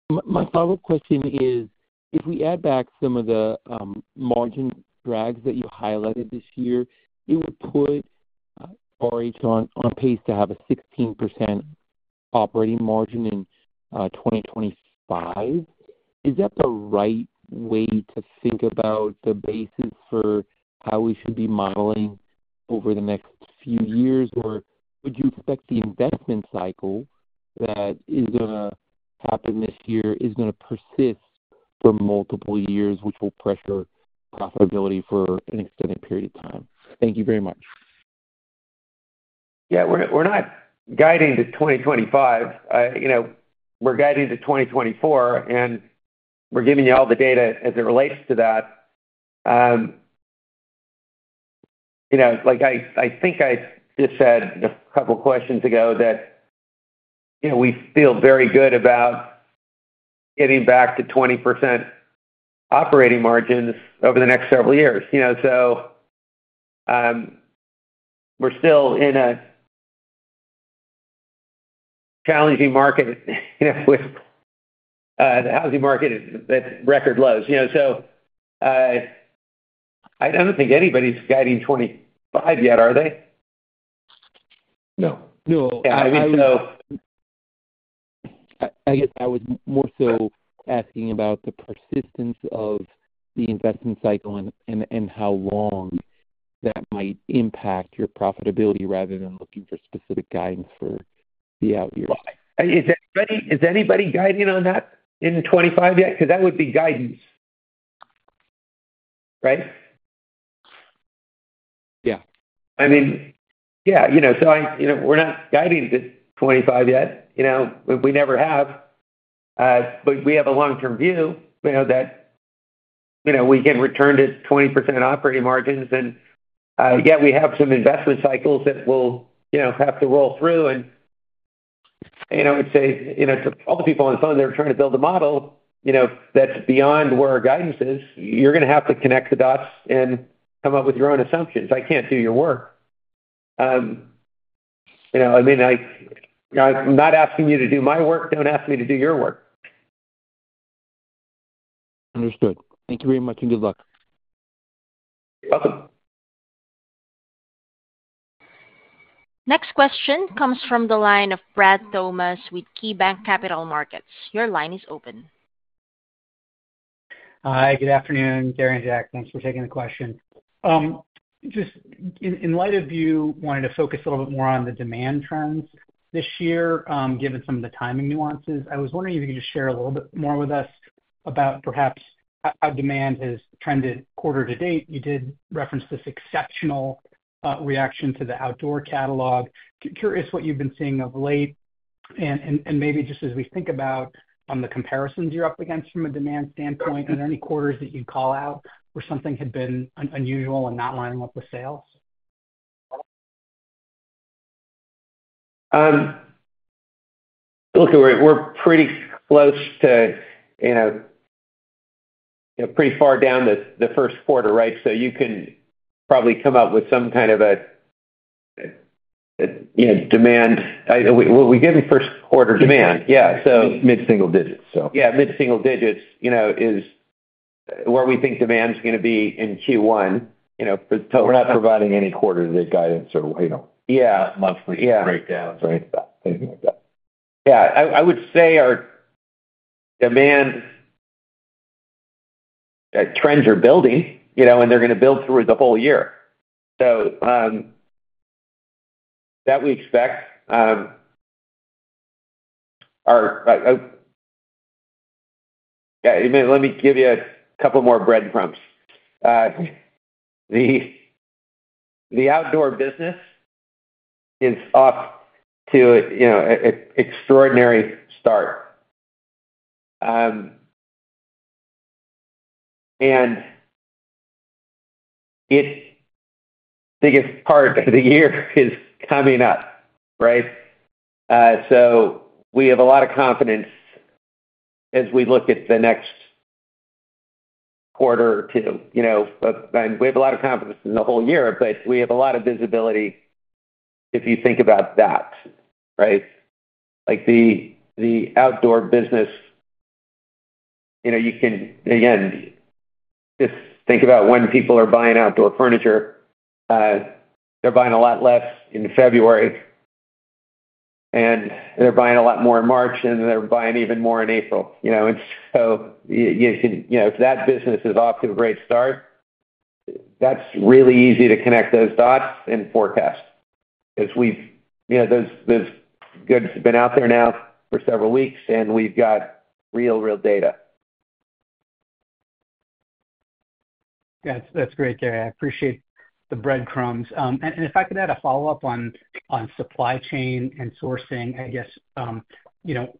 My, my follow-up question is: If we add back some of the margin drags that you highlighted this year, it would put RH on, on pace to have a 16% operating margin in 2025. Is that the right way to think about the basis for how we should be modeling over the next few years? Or would you expect the investment cycle that is gonna happen this year is gonna persist for multiple years, which will pressure profitability for an extended period of time? Thank you very much. Yeah, we're not guiding to 2025. You know, we're guiding to 2024, and we're giving you all the data as it relates to that. You know, like, I think I just said a couple questions ago that, you know, we feel very good about getting back to 20% operating margins over the next several years. You know, so, we're still in a challenging market, you know, with the housing market at record lows. You know, so, I don't think anybody's guiding 2025 yet, are they? No, no. Yeah, I mean, so- I guess I was more so asking about the persistence of the investment cycle and how long that might impact your profitability, rather than looking for specific guidance for the out years. Is anybody, is anybody guiding on that in 2025 yet? Because that would be guidance, right? Yeah. I mean, yeah, you know, so you know, we're not guiding to 2025 yet. You know, we never have. But we have a long-term view, you know, that, you know, we get returned to 20% operating margins, and yet we have some investment cycles that will, you know, have to roll through. And, you know, I would say, you know, to all the people on the phone that are trying to build a model, you know, that's beyond where our guidance is, you're gonna have to connect the dots and come up with your own assumptions. I can't do your work. You know, I mean, I'm not asking you to do my work. Don't ask me to do your work. Understood. Thank you very much, and good luck. You're welcome. Next question comes from the line of Brad Thomas with KeyBanc Capital Markets. Your line is open. Hi, good afternoon, Gary and Jack. Thanks for taking the question. Just in light of you wanting to focus a little bit more on the demand trends this year, given some of the timing nuances, I was wondering if you could just share a little bit more with us about perhaps how demand has trended quarter to date. You did reference this exceptional reaction to the Outdoor catalog. Curious what you've been seeing of late and maybe just as we think about the comparisons you're up against from a demand standpoint, are there any quarters that you'd call out where something had been unusual and not lining up with sales? Look, we're pretty close to, you know, pretty far down the first quarter, right? So you can probably come up with some kind of a, you know, demand. Well, we gave them first quarter demand. Yeah, so- Mid-single digits, so. Yeah, mid-single digits, you know, is where we think demand is gonna be in Q1, you know, for total- We're not providing any quarter guidance or, you know- Yeah. Monthly breakdowns or anything like that. Yeah. I would say our demand trends are building, you know, and they're gonna build through the whole year. So that we expect are... Yeah, let me give you a couple more breadcrumbs. The Outdoor business is off to, you know, an extraordinary start. And its biggest part of the year is coming up, right? So we have a lot of confidence as we look at the next quarter or two. You know, and we have a lot of confidence in the whole year, but we have a lot of visibility if you think about that, right? Like the Outdoor business, you know, you can again just think about when people are buying Outdoor furniture. They're buying a lot less in February, and they're buying a lot more in March, and they're buying even more in April, you know. And so you can—you know, if that business is off to a great start. That's really easy to connect those dots and forecast, because we've—you know, those goods have been out there now for several weeks, and we've got real, real data. Yeah, that's great, Gary. I appreciate the breadcrumbs. And if I could add a follow-up on supply chain and sourcing, I guess, you know,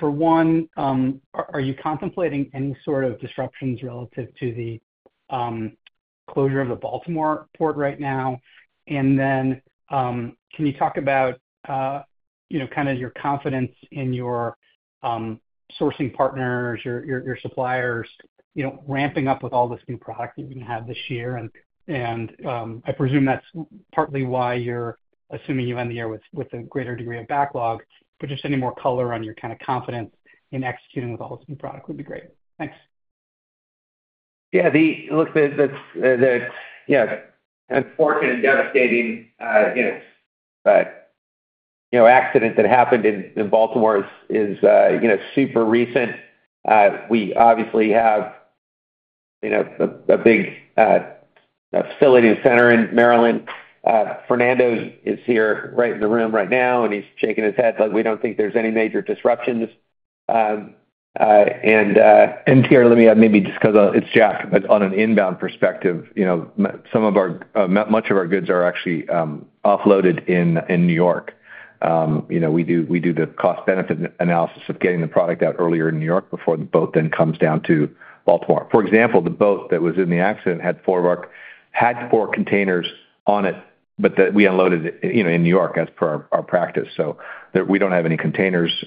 for one, are you contemplating any sort of disruptions relative to the closure of the Baltimore port right now? And then, can you talk about, you know, kind of your confidence in your sourcing partners, your suppliers, you know, ramping up with all this new product that you're gonna have this year? And, I presume that's partly why you're assuming you end the year with a greater degree of backlog, but just any more color on your kind of confidence in executing with all this new product would be great. Thanks. Yeah, look, yeah, unfortunate and devastating, you know, you know, accident that happened in Baltimore is, is, you know, super recent. We obviously have, you know, a big facility and center in Maryland. Fernando is here right in the room right now, and he's shaking his head like we don't think there's any major disruptions. And here, let me add, maybe just 'cause it's Jack. But on an inbound perspective, you know, some of our, much of our goods are actually offloaded in New York. You know, we do the cost-benefit analysis of getting the product out earlier in New York before the boat then comes down to Baltimore. For example, the boat that was in the accident had 4 containers on it, but that we unloaded, you know, in New York as per our practice, so that we don't have any containers,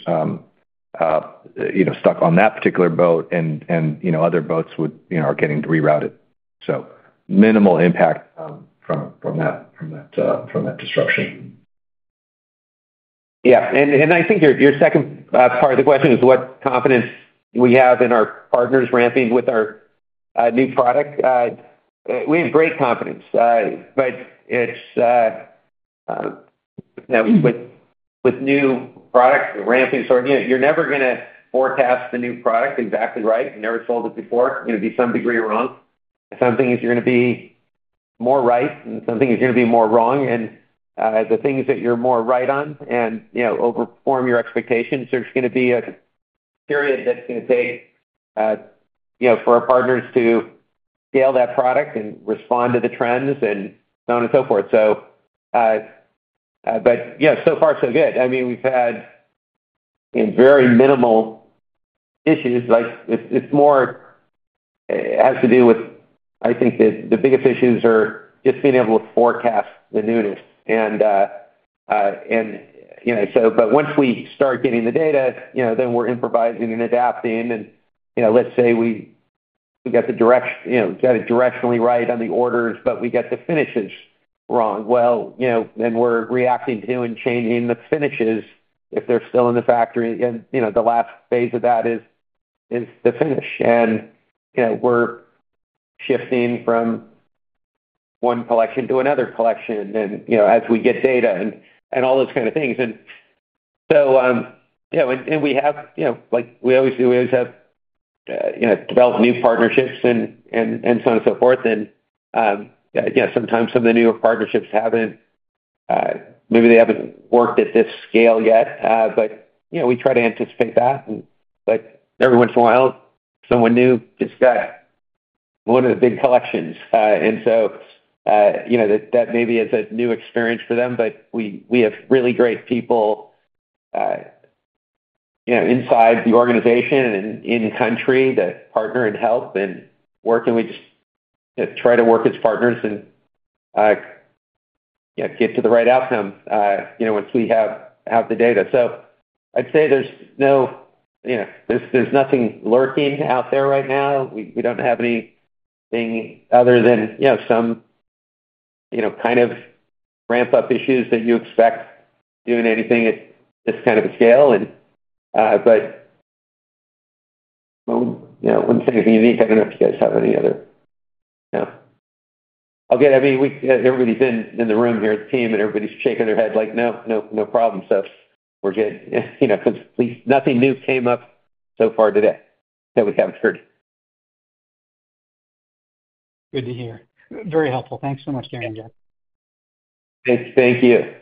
you know, stuck on that particular boat and other boats are getting rerouted. So minimal impact from that disruption. Yeah, and, and I think your, your second, part of the question is what confidence we have in our partners ramping with our, new product. We have great confidence, but it's now with, with new product ramping, so you're never gonna forecast the new product exactly right. You never sold it before. You're gonna be some degree wrong. Some things you're gonna be more right, and some things you're gonna be more wrong. And, the things that you're more right on and, you know, overperform your expectations, there's gonna be a period that's gonna take, you know, for our partners to scale that product and respond to the trends and so on and so forth. So, but yeah, so far so good. I mean, we've had, you know, very minimal issues. Like, it's, it's more-- it has to do with... I think the biggest issues are just being able to forecast the newness. And, you know, so but once we start getting the data, you know, then we're improvising and adapting and, you know, let's say we got the direction, you know, got it directionally right on the orders, but we get the finishes wrong. Well, you know, then we're reacting to and changing the finishes if they're still in the factory. And, you know, the last phase of that is the finish. And, you know, we're shifting from one collection to another collection and, you know, as we get data and all those kind of things. And so, you know, and we have, you know, like we always do, we always have, you know, develop new partnerships and so on and so forth. Yeah, sometimes some of the newer partnerships haven't maybe they haven't worked at this scale yet. But, you know, we try to anticipate that. But every once in a while, someone new gets one of the big collections. And so, you know, that, that maybe is a new experience for them, but we, we have really great people, you know, inside the organization and in country to partner and help and working with, try to work as partners and, you know, get to the right outcome, you know, once we have, have the data. So I'd say there's no, you know, there's, there's nothing lurking out there right now. We, we don't have anything other than, you know, some, you know, kind of ramp-up issues that you expect doing anything at this kind of a scale. And, but, you know, I wouldn't say anything unique. I don't know if you guys have any other... No. Okay. I mean, we, everybody's in, in the room here, the team, and everybody's shaking their head like, "No, no, no problem." So we're good. You know, 'cause we, nothing new came up so far today that we haven't heard. Good to hear. Very helpful. Thanks so much, Gary and Jack. Thank you.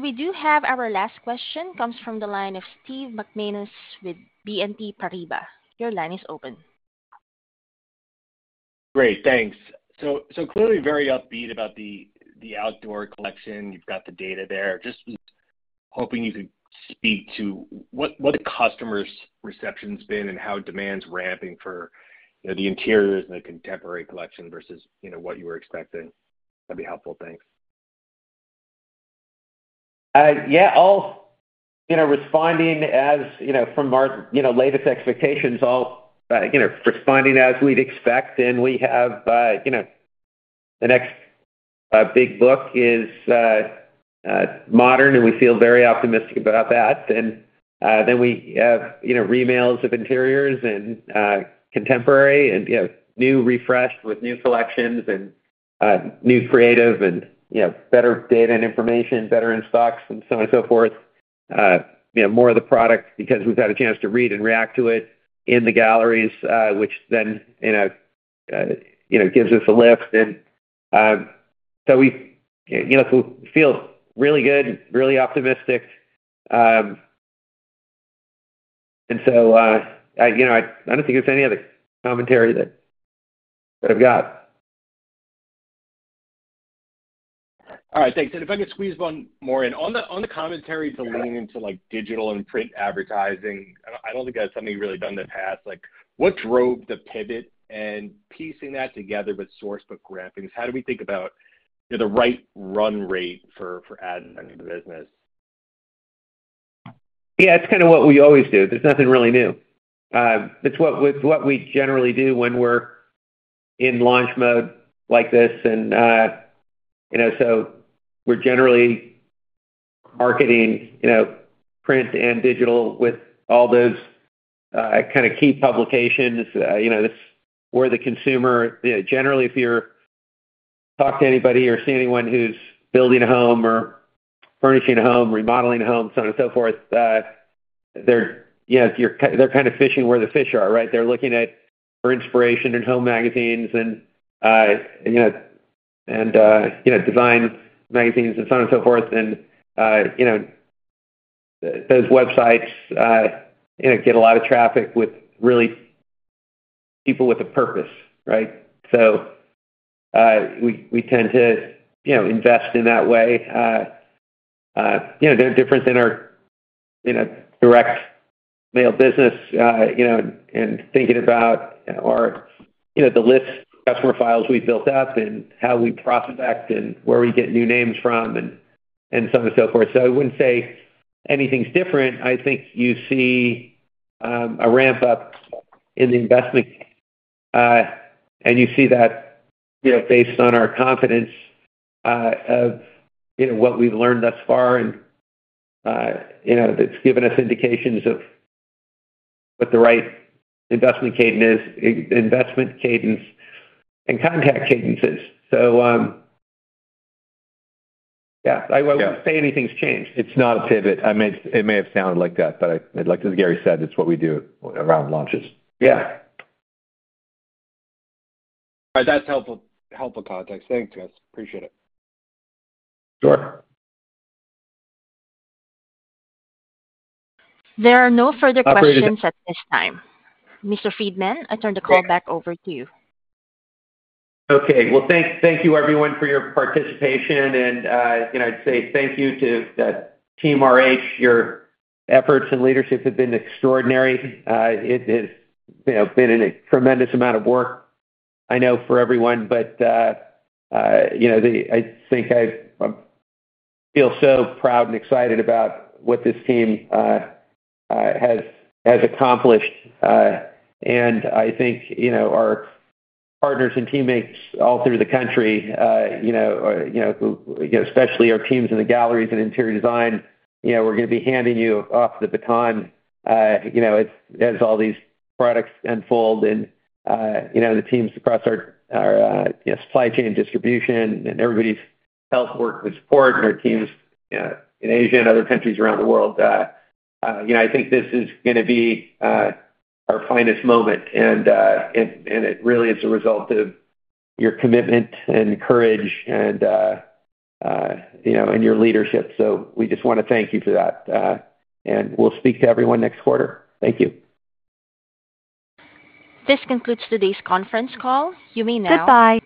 We do have our last question, comes from the line of Steve McManus with BNP Paribas. Your line is open. Great, thanks. So clearly very upbeat about the Outdoor collection. You've got the data there. Just was hoping you could speak to what the customer's reception's been and how demand's ramping for, you know, the Interiors and the Contemporary collection versus, you know, what you were expecting. That'd be helpful. Thanks. Yeah, all, you know, responding as, you know, from our, you know, latest expectations, all, you know, responding as we'd expect. And we have, you know, the next, big book is, Modern, and we feel very optimistic about that. And then we have, you know, remails of Interiors and, Contemporary and, you know, new refreshed with new collections and, new creative and, you know, better data and information, better in-stocks and so on and so forth.... You know, more of the product because we've had a chance to read and react to it in the galleries, which then, you know, you know, gives us a lift. And so we, you know, feel really good, really optimistic. And so, I, you know, I, I don't think there's any other commentary that, that I've got. All right. Thanks. If I could squeeze one more in. On the commentary to leaning into, like, digital and print advertising, I don't think that's something you've really done in the past. Like, what drove the pivot? And piecing that together with Source Book graphics, how do we think about, you know, the right run rate for ad in the business? Yeah, it's kind of what we always do. There's nothing really new. It's what we generally do when we're in launch mode like this. And, you know, so we're generally marketing, you know, print and digital with all those, kind of key publications. You know, that's where the consumer... You know, generally, if you talk to anybody or see anyone who's building a home or furnishing a home, remodeling a home, so on and so forth, they're, you know, they're kind of fishing where the fish are, right? They're looking for inspiration in home magazines and, you know, and, you know, design magazines and so on and so forth. And, you know, those websites, you know, get a lot of traffic with real people with a purpose, right? So, we tend to, you know, invest in that way. You know, they're different than our, you know, direct mail business, you know, and thinking about our, you know, the list customer files we've built up and how we prospect and where we get new names from and so on and so forth. So I wouldn't say anything's different. I think you see a ramp-up in the investment, and you see that, you know, based on our confidence of, you know, what we've learned thus far, and you know, that's given us indications of what the right investment cadence is, investment cadence and contact cadences. So, yeah, I wouldn't say anything's changed. It's not a pivot. I mean, it may have sounded like that, but like, as Gary said, it's what we do around launches. Yeah. All right. That's helpful, helpful context. Thanks, guys. Appreciate it. Sure. There are no further questions at this time. Mr. Friedman, I turn the call back over to you. Okay. Well, thank you everyone for your participation, and, you know, I'd say thank you to the RH team. Your efforts and leadership have been extraordinary. It has, you know, been a tremendous amount of work, I know, for everyone, but, you know, I think I feel so proud and excited about what this team has accomplished. And I think, you know, our partners and teammates all through the country, you know, especially our teams in the galleries and interior design, you know, we're gonna be handing you off the baton, you know, as all these products unfold. And, you know, the teams across our supply chain and distribution and everybody's hard work and support and our teams in Asia and other countries around the world. You know, I think this is gonna be our finest moment, and it really is a result of your commitment and courage and, you know, and your leadership. So we just wanna thank you for that, and we'll speak to everyone next quarter. Thank you. This concludes today's conference call. You may now- goodbye.